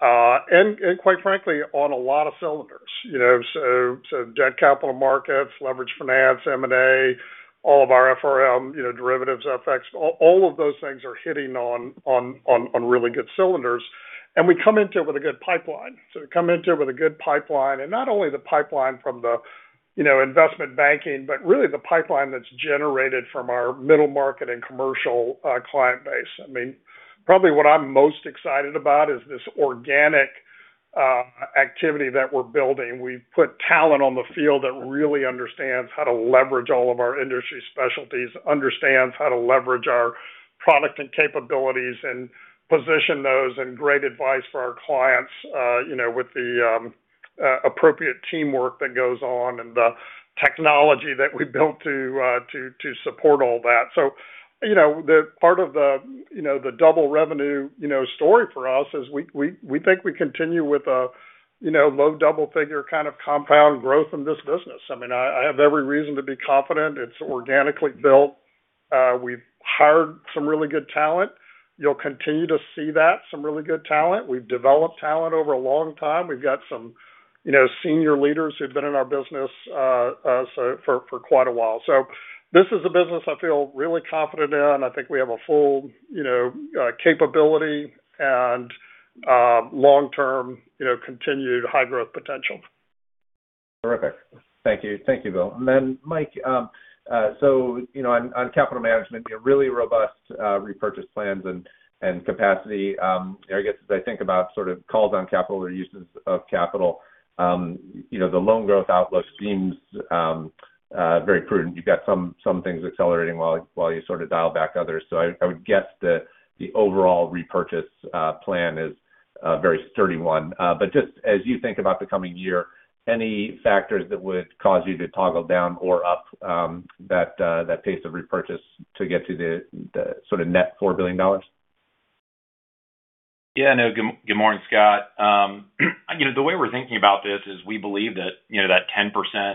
and quite frankly, on a lot of cylinders. So debt capital markets, leverage finance, M&A, all of our FRM derivatives, FX, all of those things are hitting on really good cylinders. We come into it with a good pipeline. So we come into it with a good pipeline, and not only the pipeline from the investment banking, but really the pipeline that's generated from our middle market and commercial client base. I mean, probably what I'm most excited about is this organic activity that we're building. We've put talent on the field that really understands how to leverage all of our industry specialties, understands how to leverage our product and capabilities and position those and great advice for our clients with the appropriate teamwork that goes on and the technology that we built to support all that. So part of the double revenue story for us is we think we continue with a low double figure kind of compound growth in this business. I mean, I have every reason to be confident. It's organically built. We've hired some really good talent. You'll continue to see that, some really good talent. We've developed talent over a long time. We've got some senior leaders who've been in our business for quite a while. So this is a business I feel really confident in. I think we have a full capability and long-term continued high-growth potential. Terrific. Thank you. Thank you, Bill. And then, Mike, so on capital management, really robust repurchase plans and capacity. I guess as I think about sort of calls on capital or uses of capital, the loan growth outlook seems very prudent. You've got some things accelerating while you sort of dial back others. So I would guess the overall repurchase plan is a very sturdy one. But just as you think about the coming year, any factors that would cause you to toggle down or up that pace of repurchase to get to the sort of net $4 billion? Yeah. No. Good morning, Scott. The way we're thinking about this is we believe that that 10%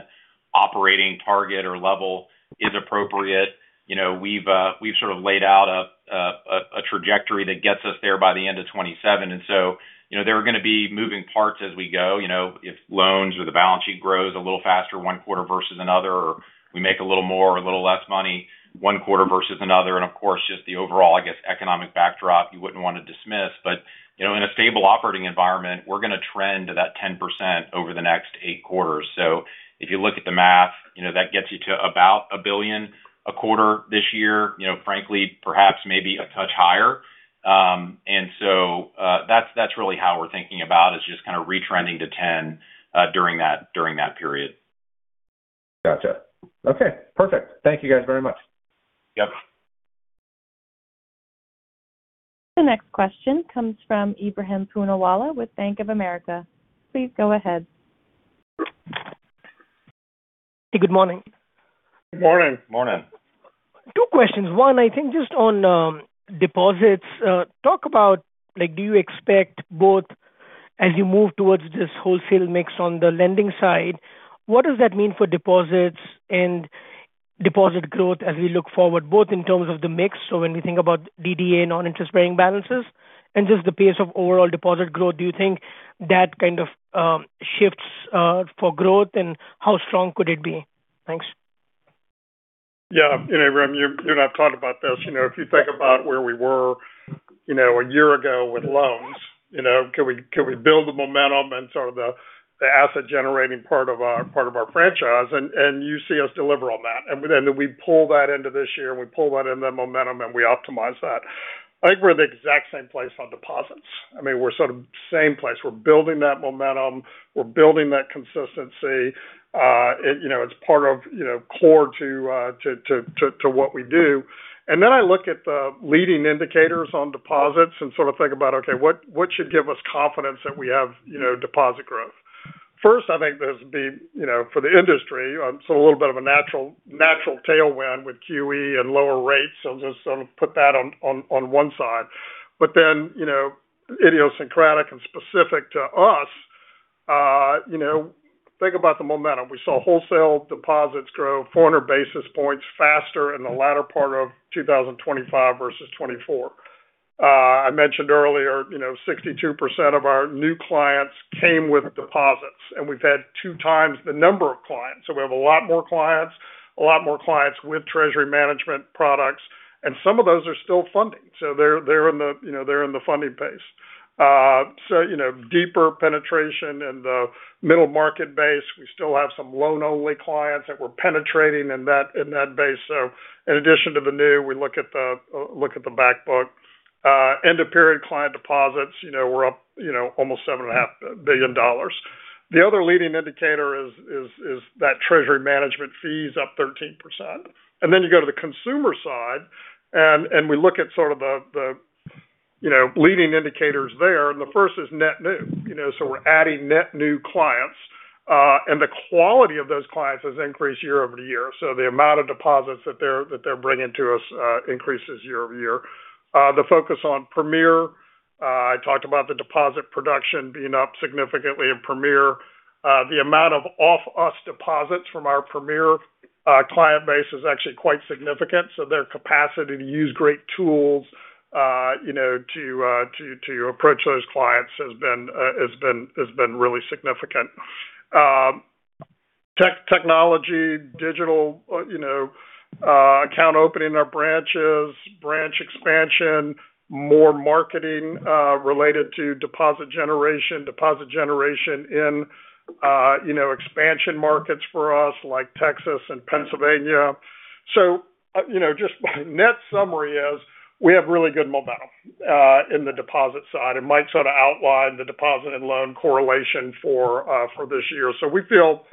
operating target or level is appropriate. We've sort of laid out a trajectory that gets us there by the end of 2027. And so there are going to be moving parts as we go. If loans or the balance sheet grows a little faster one quarter versus another, or we make a little more or a little less money one quarter versus another. And of course, just the overall, I guess, economic backdrop you wouldn't want to dismiss. But in a stable operating environment, we're going to trend to that 10% over the next eight quarters. So if you look at the math, that gets you to about $1 billion a quarter this year, frankly, perhaps maybe a touch higher. And so that's really how we're thinking about is just kind of retrending to 10 during that period. Gotcha. Okay. Perfect. Thank you guys very much. Yep. The next question comes from Ebrahim Poonawala with Bank of America. Please go ahead. Hey, good morning. Good morning. Good morning. Two questions. One, I think just on deposits. Talk about do you expect both as you move towards this wholesale mix on the lending side, what does that mean for deposits and deposit growth as we look forward, both in terms of the mix? So when we think about DDA, non-interest-bearing balances, and just the pace of overall deposit growth, do you think that kind of shifts for growth and how strong could it be? Thanks. Yeah. Ibrahim, you and I have talked about this. If you think about where we were a year ago with loans, can we build the momentum and sort of the asset-generating part of our franchise? And you see us deliver on that. And then we pull that into this year, and we pull that into the momentum, and we optimize that. I think we're in the exact same place on deposits. I mean, we're sort of same place. We're building that momentum. We're building that consistency. It's part of core to what we do. And then I look at the leading indicators on deposits and sort of think about, okay, what should give us confidence that we have deposit growth? First, I think this would be for the industry, so a little bit of a natural tailwind with QE and lower rates. So I'll just sort of put that on one side. But then idiosyncratic and specific to us, think about the momentum. We saw wholesale deposits grow 400 basis points faster in the latter part of 2025 versus 2024. I mentioned earlier, 62% of our new clients came with deposits, and we've had two times the number of clients. So we have a lot more clients, a lot more clients with treasury management products, and some of those are still funding. So they're in the funding base. So deeper penetration in the middle market base. We still have some loan-only clients that we're penetrating in that base. So in addition to the new, we look at the backbook. End-of-period client deposits, we're up almost $7.5 billion. The other leading indicator is that treasury management fees up 13%. And then you go to the consumer side, and we look at sort of the leading indicators there. And the first is net new. So we're adding net new clients. And the quality of those clients has increased year over year. So the amount of deposits that they're bringing to us increases year over year. The focus on Premier. I talked about the deposit production being up significantly in Premier. The amount of off-us deposits from our Premier client base is actually quite significant. So their capacity to use great tools to approach those clients has been really significant. Technology, digital account opening, our branches, branch expansion, more marketing related to deposit generation, deposit generation in expansion markets for us like Texas and Pennsylvania. So just my net summary is we have really good momentum in the deposit side. It might sort of outline the deposit and loan correlation for this year. So we feel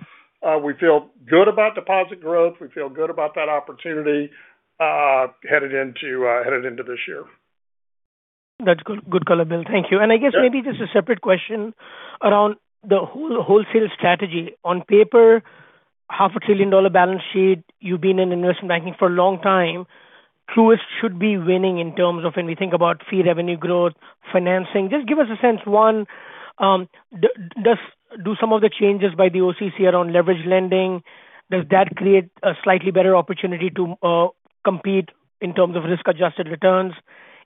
good about deposit growth. We feel good about that opportunity headed into this year. That's good color, Bill. Thank you. And I guess maybe just a separate question around the wholesale strategy. On paper, $500 billion balance sheet, you've been in investment banking for a long time. Truist should be winning in terms of when we think about fee revenue growth, financing. Just give us a sense. One, do some of the changes by the OCC around leverage lending, does that create a slightly better opportunity to compete in terms of risk-adjusted returns?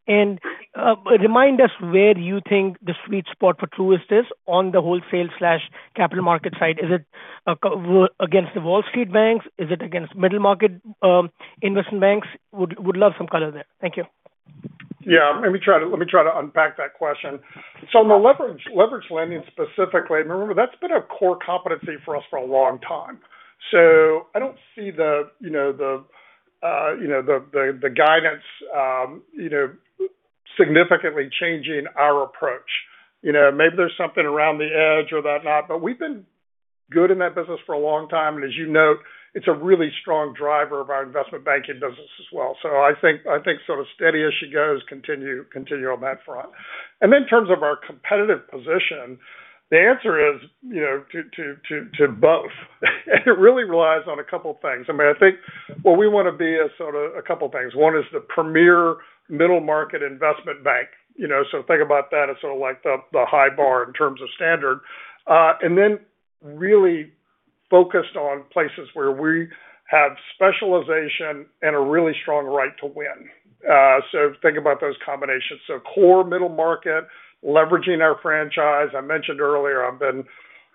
And remind us where you think the sweet spot for Truist is on the wholesale/capital market side. Is it against the Wall Street banks? Is it against middle market investment banks? Would love some color there. Thank you. Yeah. Let me try to unpack that question. So on the leverage lending specifically, remember that's been a core competency for us for a long time. So I don't see the guidance significantly changing our approach. Maybe there's something around the edge or that not, but we've been good in that business for a long time. And as you note, it's a really strong driver of our investment banking business as well. So I think sort of steady as she goes, continue on that front. And then in terms of our competitive position, the answer is to both. It really relies on a couple of things. I mean, I think what we want to be is sort of a couple of things. One is the premier middle market investment bank. So think about that as sort of like the high bar in terms of standard. And then really focused on places where we have specialization and a really strong right to win. So think about those combinations. So core middle market, leveraging our franchise. I mentioned earlier. I've been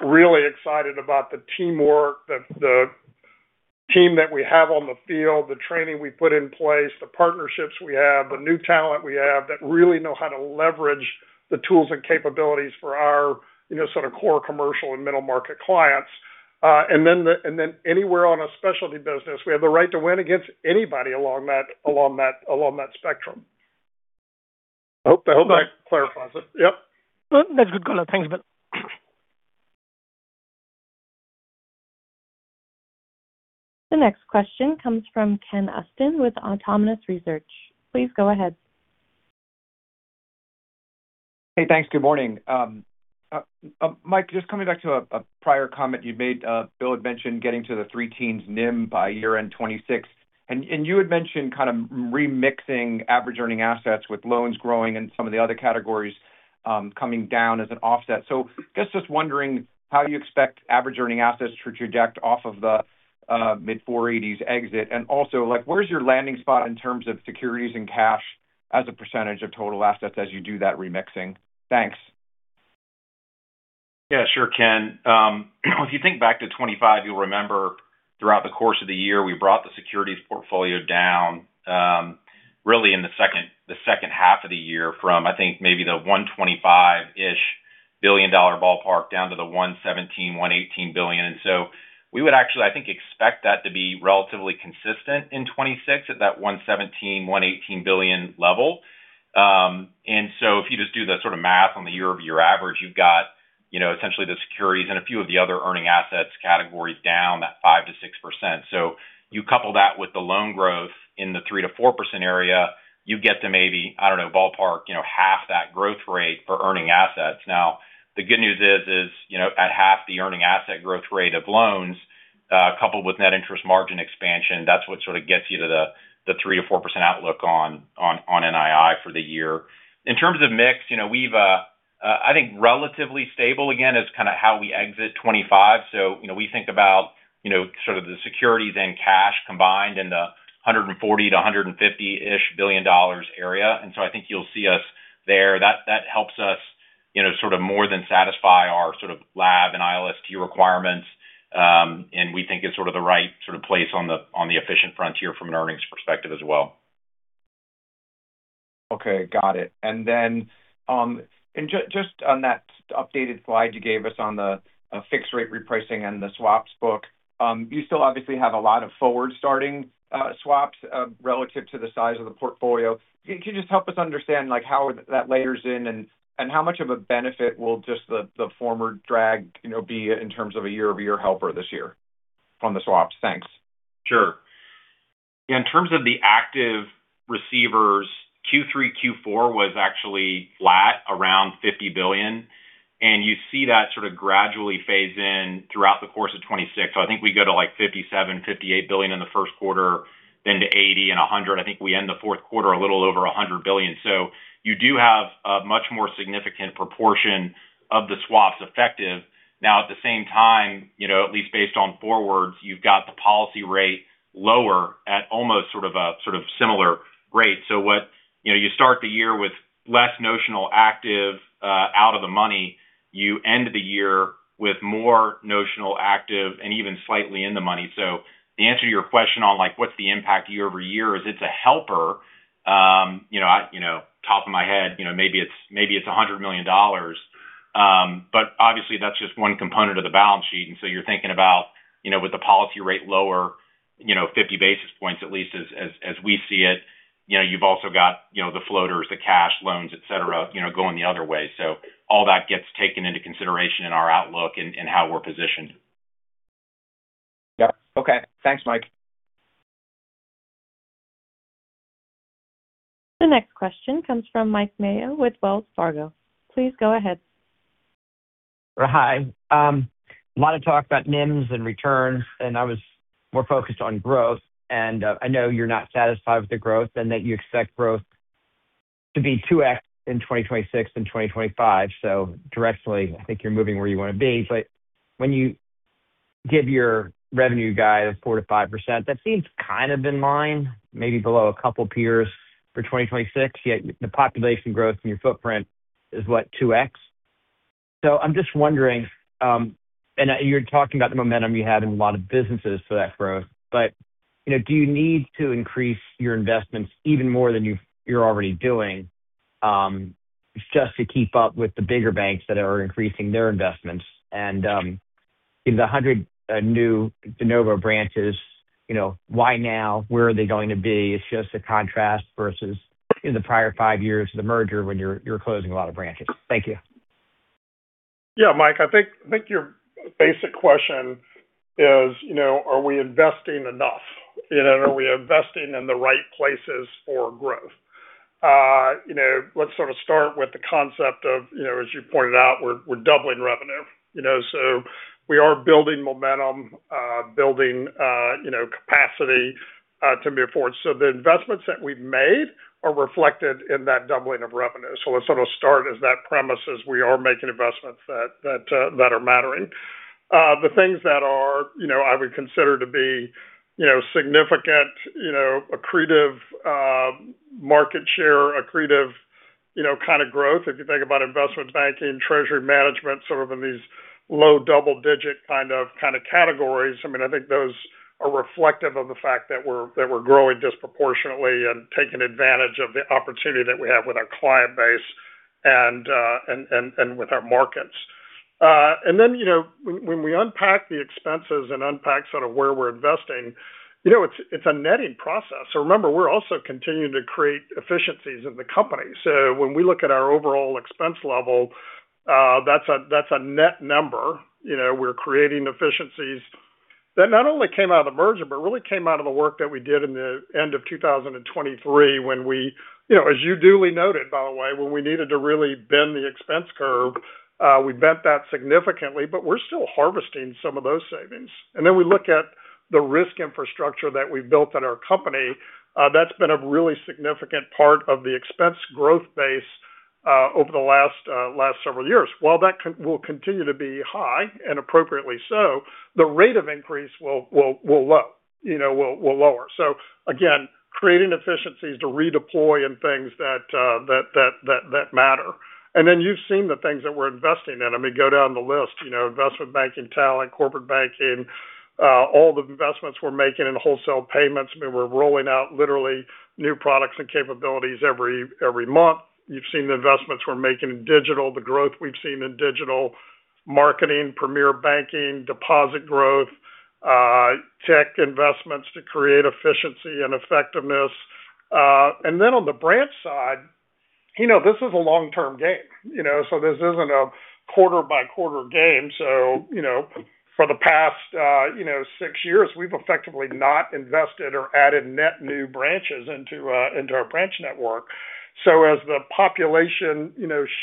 really excited about the teamwork, the team that we have on the field, the training we put in place, the partnerships we have, the new talent we have that really know how to leverage the tools and capabilities for our sort of core commercial and middle market clients. And then anywhere on a specialty business, we have the right to win against anybody along that spectrum. I hope that clarifies it. Yep. That's good color. Thanks, Bill. The next question comes from Ken Usdin with Autonomous Research. Please go ahead. Hey, thanks. Good morning. Mike, just coming back to a prior comment you made. Bill had mentioned getting to the three teens NIM by year-end 2026. And you had mentioned kind of remixing average earning assets with loans growing and some of the other categories coming down as an offset. So I guess just wondering how you expect average earning assets to project off of the mid-480s exit. And also, where's your landing spot in terms of securities and cash as a percentage of total assets as you do that remixing? Thanks. Yeah. Sure can. If you think back to 2025, you'll remember throughout the course of the year, we brought the securities portfolio down really in the second half of the year from, I think, maybe the $125 billion-ish ballpark down to the $117-$118 billion. And so we would actually, I think, expect that to be relatively consistent in 2026 at that $117-$118 billion level. And so if you just do the sort of math on the year-over-year average, you've got essentially the securities and a few of the other earning assets categories down that 5%-6%. So you couple that with the loan growth in the 3%-4% area, you get to maybe, I don't know, ballpark half that growth rate for earning assets. Now, the good news is at half the earning asset growth rate of loans coupled with net interest margin expansion, that's what sort of gets you to the 3%-4% outlook on NII for the year. In terms of mix, we've, I think, relatively stable again is kind of how we exit 2025. So we think about sort of the securities and cash combined in the $140-$150-ish billion area. And so I think you'll see us there. That helps us sort of more than satisfy our sort of LAB and ILST requirements. And we think it's sort of the right sort of place on the efficient frontier from an earnings perspective as well. Okay. Got it. And then just on that updated slide you gave us on the fixed rate repricing and the swaps book, you still obviously have a lot of forward-starting swaps relative to the size of the portfolio. Can you just help us understand how that layers in and how much of a benefit will just the former drag be in terms of a year-over-year helper this year on the swaps? Thanks. Sure. Yeah. In terms of the active receivers, Q3, Q4 was actually flat around $50 billion. And you see that sort of gradually phase in throughout the course of 2026. So I think we go to like $57-$58 billion in the first quarter, then to $80 billion and $100 billion. I think we end the fourth quarter a little over $100 billion. So you do have a much more significant proportion of the swaps effective. Now, at the same time, at least based on forwards, you've got the policy rate lower at almost sort of a sort of similar rate. So you start the year with less notional active out of the money. You end the year with more notional active and even slightly in the money. So the answer to your question on what's the impact year-over-year is it's a helper. Top of my head, maybe it's $100 million. But obviously, that's just one component of the balance sheet. And so you're thinking about with the policy rate lower, 50 basis points at least as we see it. You've also got the floaters, the cash, loans, etc., going the other way. So all that gets taken into consideration in our outlook and how we're positioned. Yep. Okay. Thanks, Mike. The next question comes from Mike Mayo with Wells Fargo. Please go ahead. Hi. A lot of talk about NIMs and returns, and I was more focused on growth. And I know you're not satisfied with the growth and that you expect growth to be 2x in 2026 and 2025. So directly, I think you're moving where you want to be. But when you give your revenue guy a 4%-5%, that seems kind of in line, maybe below a couple of peers for 2026. Yet the population growth and your footprint is what, 2x? So I'm just wondering, and you're talking about the momentum you have in a lot of businesses for that growth, but do you need to increase your investments even more than you're already doing just to keep up with the bigger banks that are increasing their investments? And the 100 new DeNovo branches, why now? Where are they going to be? It's just a contrast versus the prior 3 years of the merger when you're closing a lot of branches. Thank you. Yeah, Mike, I think your basic question is, are we investing enough? Are we investing in the right places for growth? Let's sort of start with the concept of, as you pointed out, we're doubling revenue. So we are building momentum, building capacity to move forward. So the investments that we've made are reflected in that doubling of revenue. So, let's sort of start with that premise is we are making investments that are mattering. The things that I would consider to be significant, accretive market share, accretive kind of growth, if you think about investment banking, treasury management, sort of in these low double-digit kind of categories, I mean, I think those are reflective of the fact that we're growing disproportionately and taking advantage of the opportunity that we have with our client base and with our markets. And then when we unpack the expenses and unpack sort of where we're investing, it's a netting process. So remember, we're also continuing to create efficiencies in the company. So when we look at our overall expense level, that's a net number. We're creating efficiencies that not only came out of the merger, but really came out of the work that we did in the end of 2023 when we, as you duly noted, by the way, when we needed to really bend the expense curve, we bent that significantly, but we're still harvesting some of those savings, and then we look at the risk infrastructure that we've built at our company. That's been a really significant part of the expense growth base over the last several years. While that will continue to be high and appropriately so, the rate of increase will lower, so again, creating efficiencies to redeploy and things that matter, and then you've seen the things that we're investing in. I mean, go down the list. Investment banking, talent, corporate banking, all the investments we're making in wholesale payments. I mean, we're rolling out literally new products and capabilities every month. You've seen the investments we're making in digital, the growth we've seen in digital, marketing, Premier banking, deposit growth, tech investments to create efficiency and effectiveness, and then on the branch side, this is a long-term game, so this isn't a quarter-by-quarter game, so for the past six years, we've effectively not invested or added net new branches into our branch network, so as the population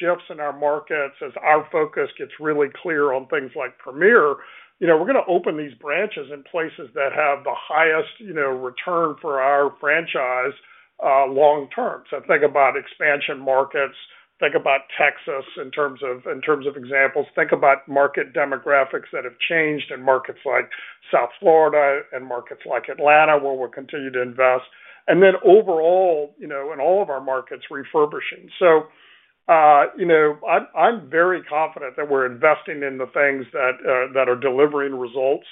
shifts in our markets, as our focus gets really clear on things like Premier, we're going to open these branches in places that have the highest return for our franchise long-term, so think about expansion markets. Think about Texas in terms of examples. Think about market demographics that have changed in markets like South Florida and markets like Atlanta where we'll continue to invest. And then overall, in all of our markets, refurbishing. So I'm very confident that we're investing in the things that are delivering results.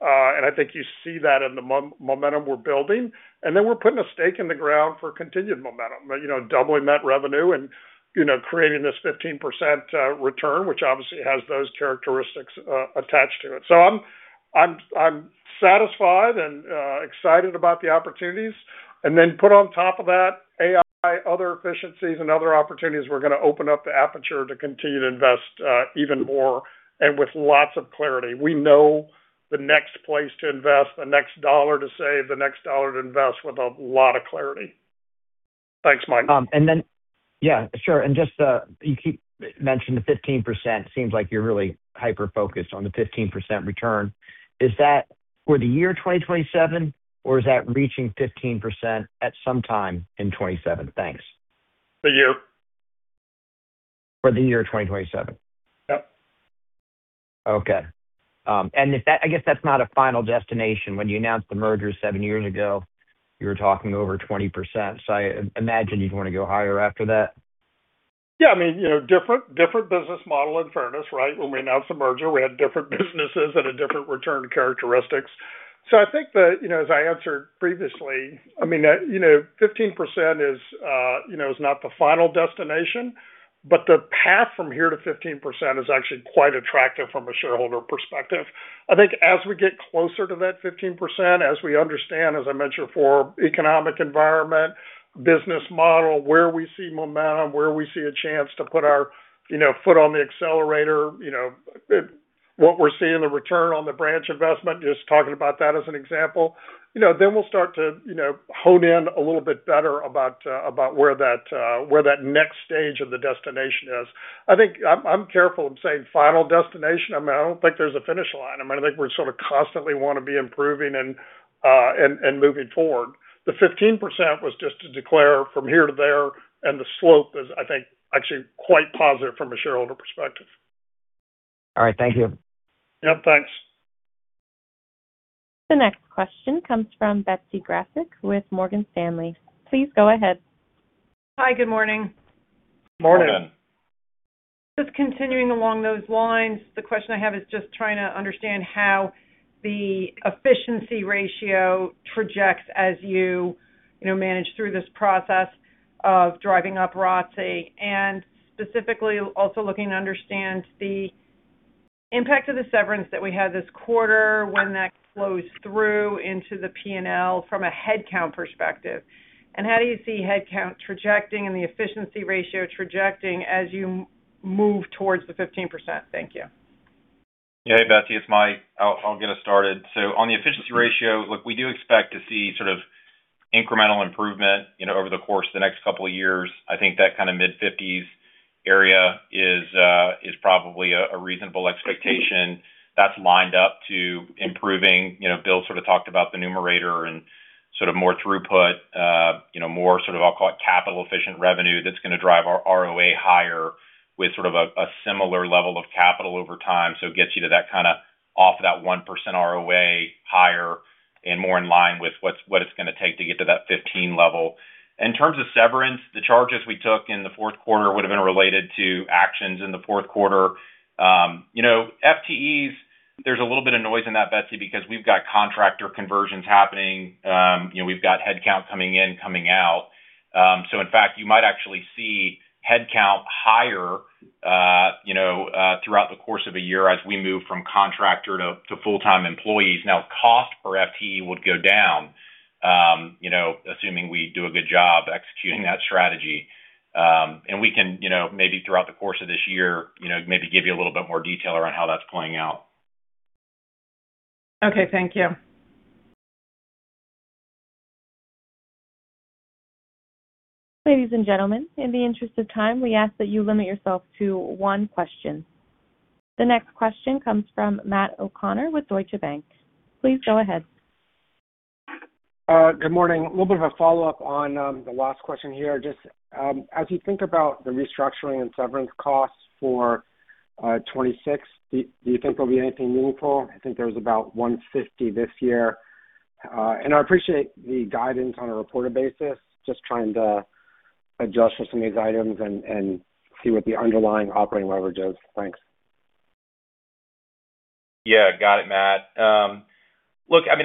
And I think you see that in the momentum we're building. And then we're putting a stake in the ground for continued momentum, doubling that revenue and creating this 15% return, which obviously has those characteristics attached to it. So I'm satisfied and excited about the opportunities. And then put on top of that, AI, other efficiencies, and other opportunities, we're going to open up the aperture to continue to invest even more and with lots of clarity. We know the next place to invest, the next dollar to save, the next dollar to invest with a lot of clarity. Thanks, Mike. And then, yeah, sure. And just you keep mentioning the 15%. It seems like you're really hyper-focused on the 15% return. Is that for the year 2027, or is that reaching 15% at some time in 2027? Thanks. For you. For the year 2027. Yep. Okay. And I guess that's not a final destination. When you announced the merger seven years ago, you were talking over 20%. So I imagine you'd want to go higher after that. Yeah. I mean, different business model in fairness, right? When we announced the merger, we had different businesses and different return characteristics. So I think that, as I answered previously, I mean, 15% is not the final destination, but the path from here to 15% is actually quite attractive from a shareholder perspective. I think as we get closer to that 15%, as we understand, as I mentioned before, economic environment, business model, where we see momentum, where we see a chance to put our foot on the accelerator, what we're seeing in the return on the branch investment, just talking about that as an example, then we'll start to hone in a little bit better about where that next stage of the destination is. I think I'm careful of saying final destination. I mean, I don't think there's a finish line. I mean, I think we sort of constantly want to be improving and moving forward. The 15% was just to declare from here to there, and the slope is, I think, actually quite positive from a shareholder perspective. All right. Thank you. Yep. Thanks. The next question comes from Betsy Graseck with Morgan Stanley. Please go ahead. Hi. Good morning. Morning. Morning. Just continuing along those lines, the question I have is just trying to understand how the efficiency ratio projects as you manage through this process of driving up ROTCE and specifically also looking to understand the impact of the severance that we had this quarter when that flows through into the P&L from a headcount perspective, and how do you see headcount projecting and the efficiency ratio projecting as you move towards the 15%? Thank you. Yeah. Hey, Betsy. It's Mike. I'll get us started. So on the efficiency ratio, look, we do expect to see sort of incremental improvement over the course of the next couple of years. I think that kind of mid-50s area is probably a reasonable expectation. That's lined up to improving. Bill sort of talked about the numerator and sort of more throughput, more sort of, I'll call it capital-efficient revenue that's going to drive our ROA higher with sort of a similar level of capital over time. So it gets you to that kind of off that 1% ROA higher and more in line with what it's going to take to get to that 15 level. In terms of severance, the charges we took in the fourth quarter would have been related to actions in the fourth quarter. FTEs, there's a little bit of noise in that, Betsy, because we've got contractor conversions happening. We've got headcount coming in, coming out. So in fact, you might actually see headcount higher throughout the course of a year as we move from contractor to full-time employees. Now, cost per FTE would go down, assuming we do a good job executing that strategy. And we can maybe throughout the course of this year, maybe give you a little bit more detail around how that's playing out. Okay. Thank you. Ladies and gentlemen, in the interest of time, we ask that you limit yourself to one question. The next question comes from Matt O'Connor with Deutsche Bank. Please go ahead. Good morning. A little bit of a follow-up on the last question here. Just as you think about the restructuring and severance costs for 2026, do you think there'll be anything meaningful? I think there was about 150 this year. And I appreciate the guidance on a reported basis, just trying to adjust for some of these items and see what the underlying operating leverage is. Thanks. Yeah. Got it, Matt. Look, I mean,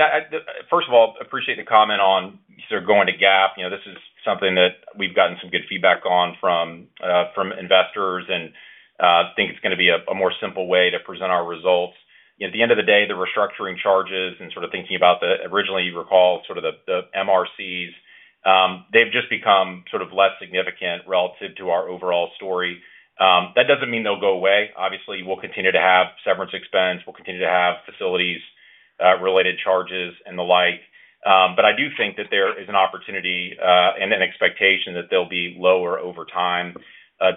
first of all, appreciate the comment on sort of going to GAAP. This is something that we've gotten some good feedback on from investors and think it's going to be a more simple way to present our results. At the end of the day, the restructuring charges and sort of thinking about the originally, you recall sort of the MRCs, they've just become sort of less significant relative to our overall story. That doesn't mean they'll go away. Obviously, we'll continue to have severance expense. We'll continue to have facilities-related charges and the like. But I do think that there is an opportunity and an expectation that they'll be lower over time.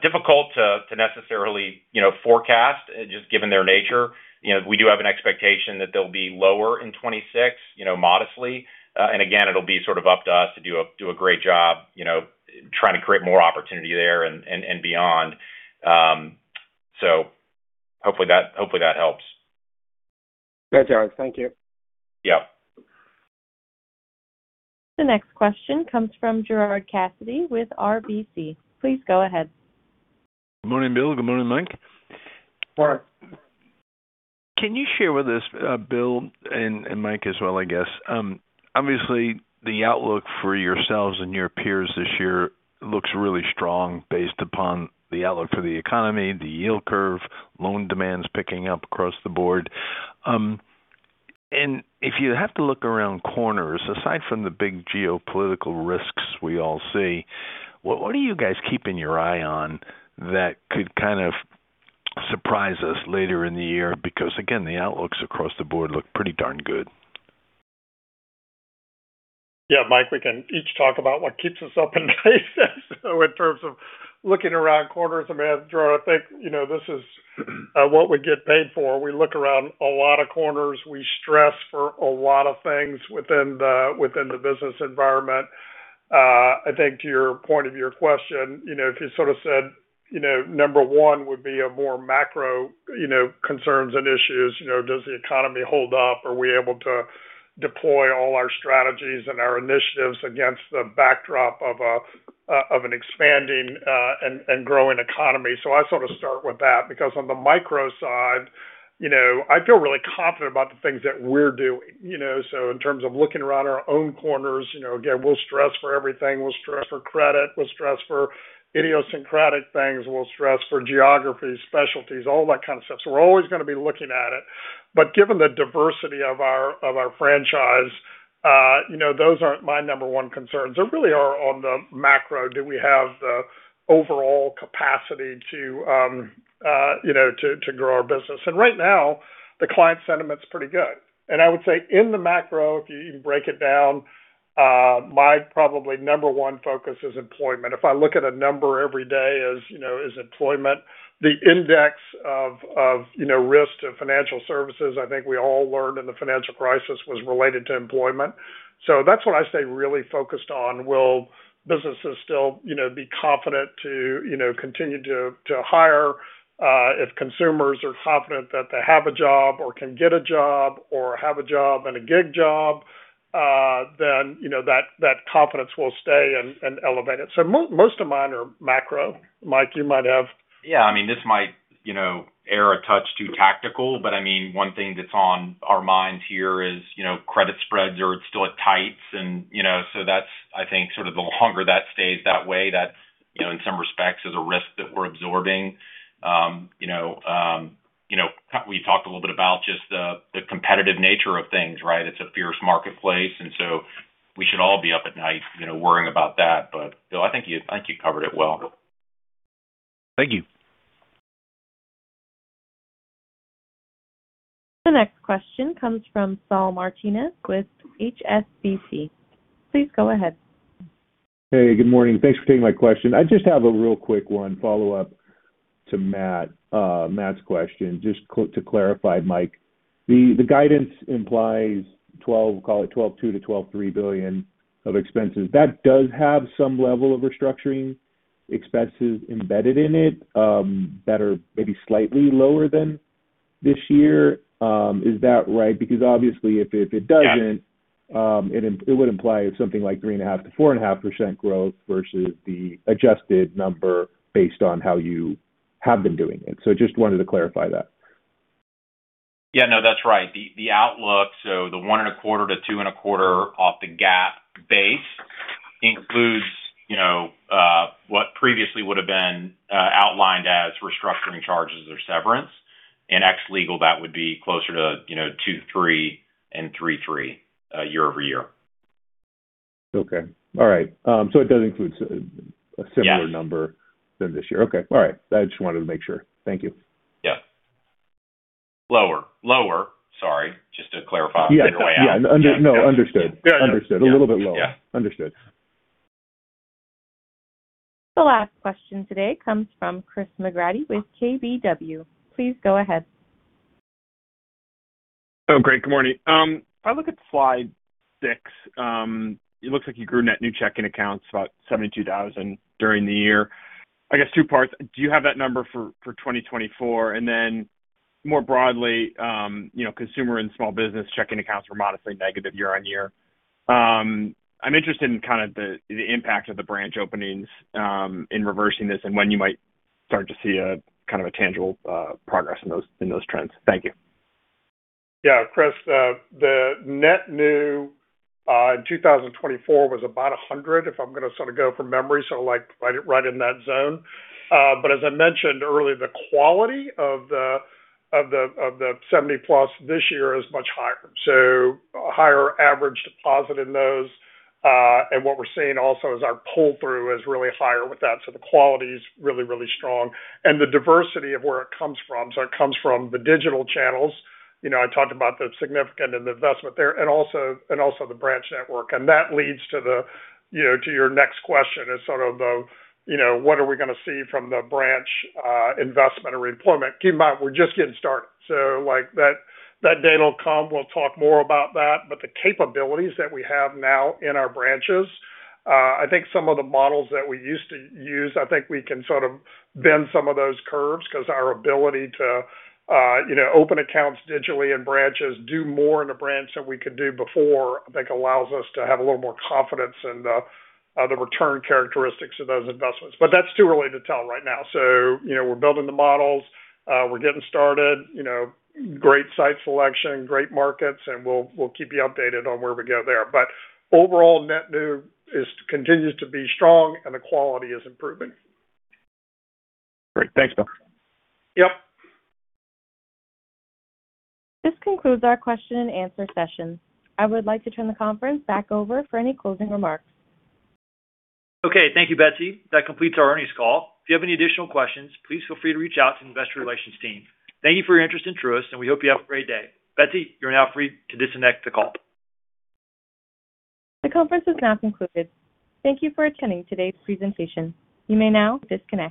Difficult to necessarily forecast just given their nature. We do have an expectation that they'll be lower in 2026, modestly. And again, it'll be sort of up to us to do a great job trying to create more opportunity there and beyond. So hopefully that helps. That's all right. Thank you. Yep. The next question comes from Gerard Cassidy with RBC. Please go ahead. Good morning, Bill. Good morning, Mike. Morning. Can you share with us, Bill and Mike as well, I guess? Obviously, the outlook for yourselves and your peers this year looks really strong based upon the outlook for the economy, the yield curve, loan demand's picking up across the board. And if you have to look around corners, aside from the big geopolitical risks we all see, what do you guys keep an eye on that could kind of surprise us later in the year? Because again, the outlooks across the board look pretty darn good. Yeah, Mike, we can each talk about what keeps us up at night. So in terms of looking around corners, I mean, Gerard, I think this is what we get paid for. We look around a lot of corners. We stress for a lot of things within the business environment. I think to your point of your question, if you sort of said number one would be more macro concerns and issues, does the economy hold up? Are we able to deploy all our strategies and our initiatives against the backdrop of an expanding and growing economy? So I sort of start with that. Because on the micro side, I feel really confident about the things that we're doing. So in terms of looking around our own corners, again, we'll stress for everything. We'll stress for credit. We'll stress for idiosyncratic things. We'll stress for geography, specialties, all that kind of stuff. So we're always going to be looking at it. But given the diversity of our franchise, those aren't my number one concerns. They really are on the macro. Do we have the overall capacity to grow our business? And right now, the client sentiment's pretty good. And I would say in the macro, if you break it down, my probably number one focus is employment. If I look at a number every day as employment, the index of risk to financial services, I think we all learned in the financial crisis was related to employment. So that's what I stay really focused on. Will businesses still be confident to continue to hire? If consumers are confident that they have a job or can get a job or have a job and a gig job, then that confidence will stay and elevate it. So most of mine are macro. Mike, you might have. Yeah. I mean, this might err a touch too tactical, but I mean, one thing that's on our minds here is credit spreads are still at tights. And so that's, I think, sort of the longer that stays that way, that in some respects is a risk that we're absorbing. We talked a little bit about just the competitive nature of things, right? It's a fierce marketplace. And so we should all be up at night worrying about that. But Bill, I think you covered it well. Thank you. The next question comes from Saul Martinez with HSBC. Please go ahead. Hey, good morning. Thanks for taking my question. I just have a real quick one follow-up to Matt's question. Just to clarify, Mike, the guidance implies 12, call it $12.2-$12.3 billion of expenses. That does have some level of restructuring expenses embedded in it that are maybe slightly lower than this year. Is that right? Because obviously, if it doesn't, it would imply something like 3.5%-4.5% growth versus the adjusted number based on how you have been doing it. So just wanted to clarify that. Yeah. No, that's right. The outlook, so the 1.25%-2.25% off the GAAP base includes what previously would have been outlined as restructuring charges or severance. In ex-legal, that would be closer to 2.3% and 3.3% year over year. Okay. All right. So it does include a similar number than this year. Okay. All right. I just wanted to make sure. Thank you. Yeah. Lower. Lower. Sorry. Just to clarify on the NII outlook. Yeah. No, understood. Understood. A little bit lower. Understood. The last question today comes from Chris McGratty with KBW. Please go ahead. Oh, great. Good morning. If I look at slide six, it looks like you grew net new checking accounts about 72,000 during the year. I guess two parts. Do you have that number for 2024? And then more broadly, consumer and small business checking accounts were modestly negative year on year. I'm interested in kind of the impact of the branch openings in reversing this and when you might start to see kind of a tangible progress in those trends. Thank you. Yeah. Chris, the net new in 2024 was about 100,000, if I'm going to sort of go from memory. So right in that zone. But as I mentioned earlier, the quality of the 70-plus this year is much higher. So a higher average deposit in those. What we're seeing also is our pull-through is really higher with that. So the quality is really, really strong, and the diversity of where it comes from. So it comes from the digital channels. I talked about the significant investment there and also the branch network. And that leads to your next question: sort of what are we going to see from the branch investment or employment? Keep in mind, we're just getting started. So that day will come. We'll talk more about that. But the capabilities that we have now in our branches, I think some of the models that we used to use, I think we can sort of bend some of those curves because our ability to open accounts digitally in branches, do more in a branch than we could do before, I think allows us to have a little more confidence in the return characteristics of those investments. But that's too early to tell right now. So we're building the models. We're getting started. Great site selection, great markets. And we'll keep you updated on where we go there. But overall, net new continues to be strong, and the quality is improving. Great. Thanks, Bill. Yep. This concludes our question-and-answer session. I would like to turn the conference back over for any closing remarks. Okay. Thank you, Betsy. That completes our earnings call. If you have any additional questions, please feel free to reach out to the investor relations team. Thank you for your interest in Truist. And we hope you have a great day. Betsy, you're now free to disconnect the call. The conference is now concluded. Thank you for attending today's presentation. You may now disconnect.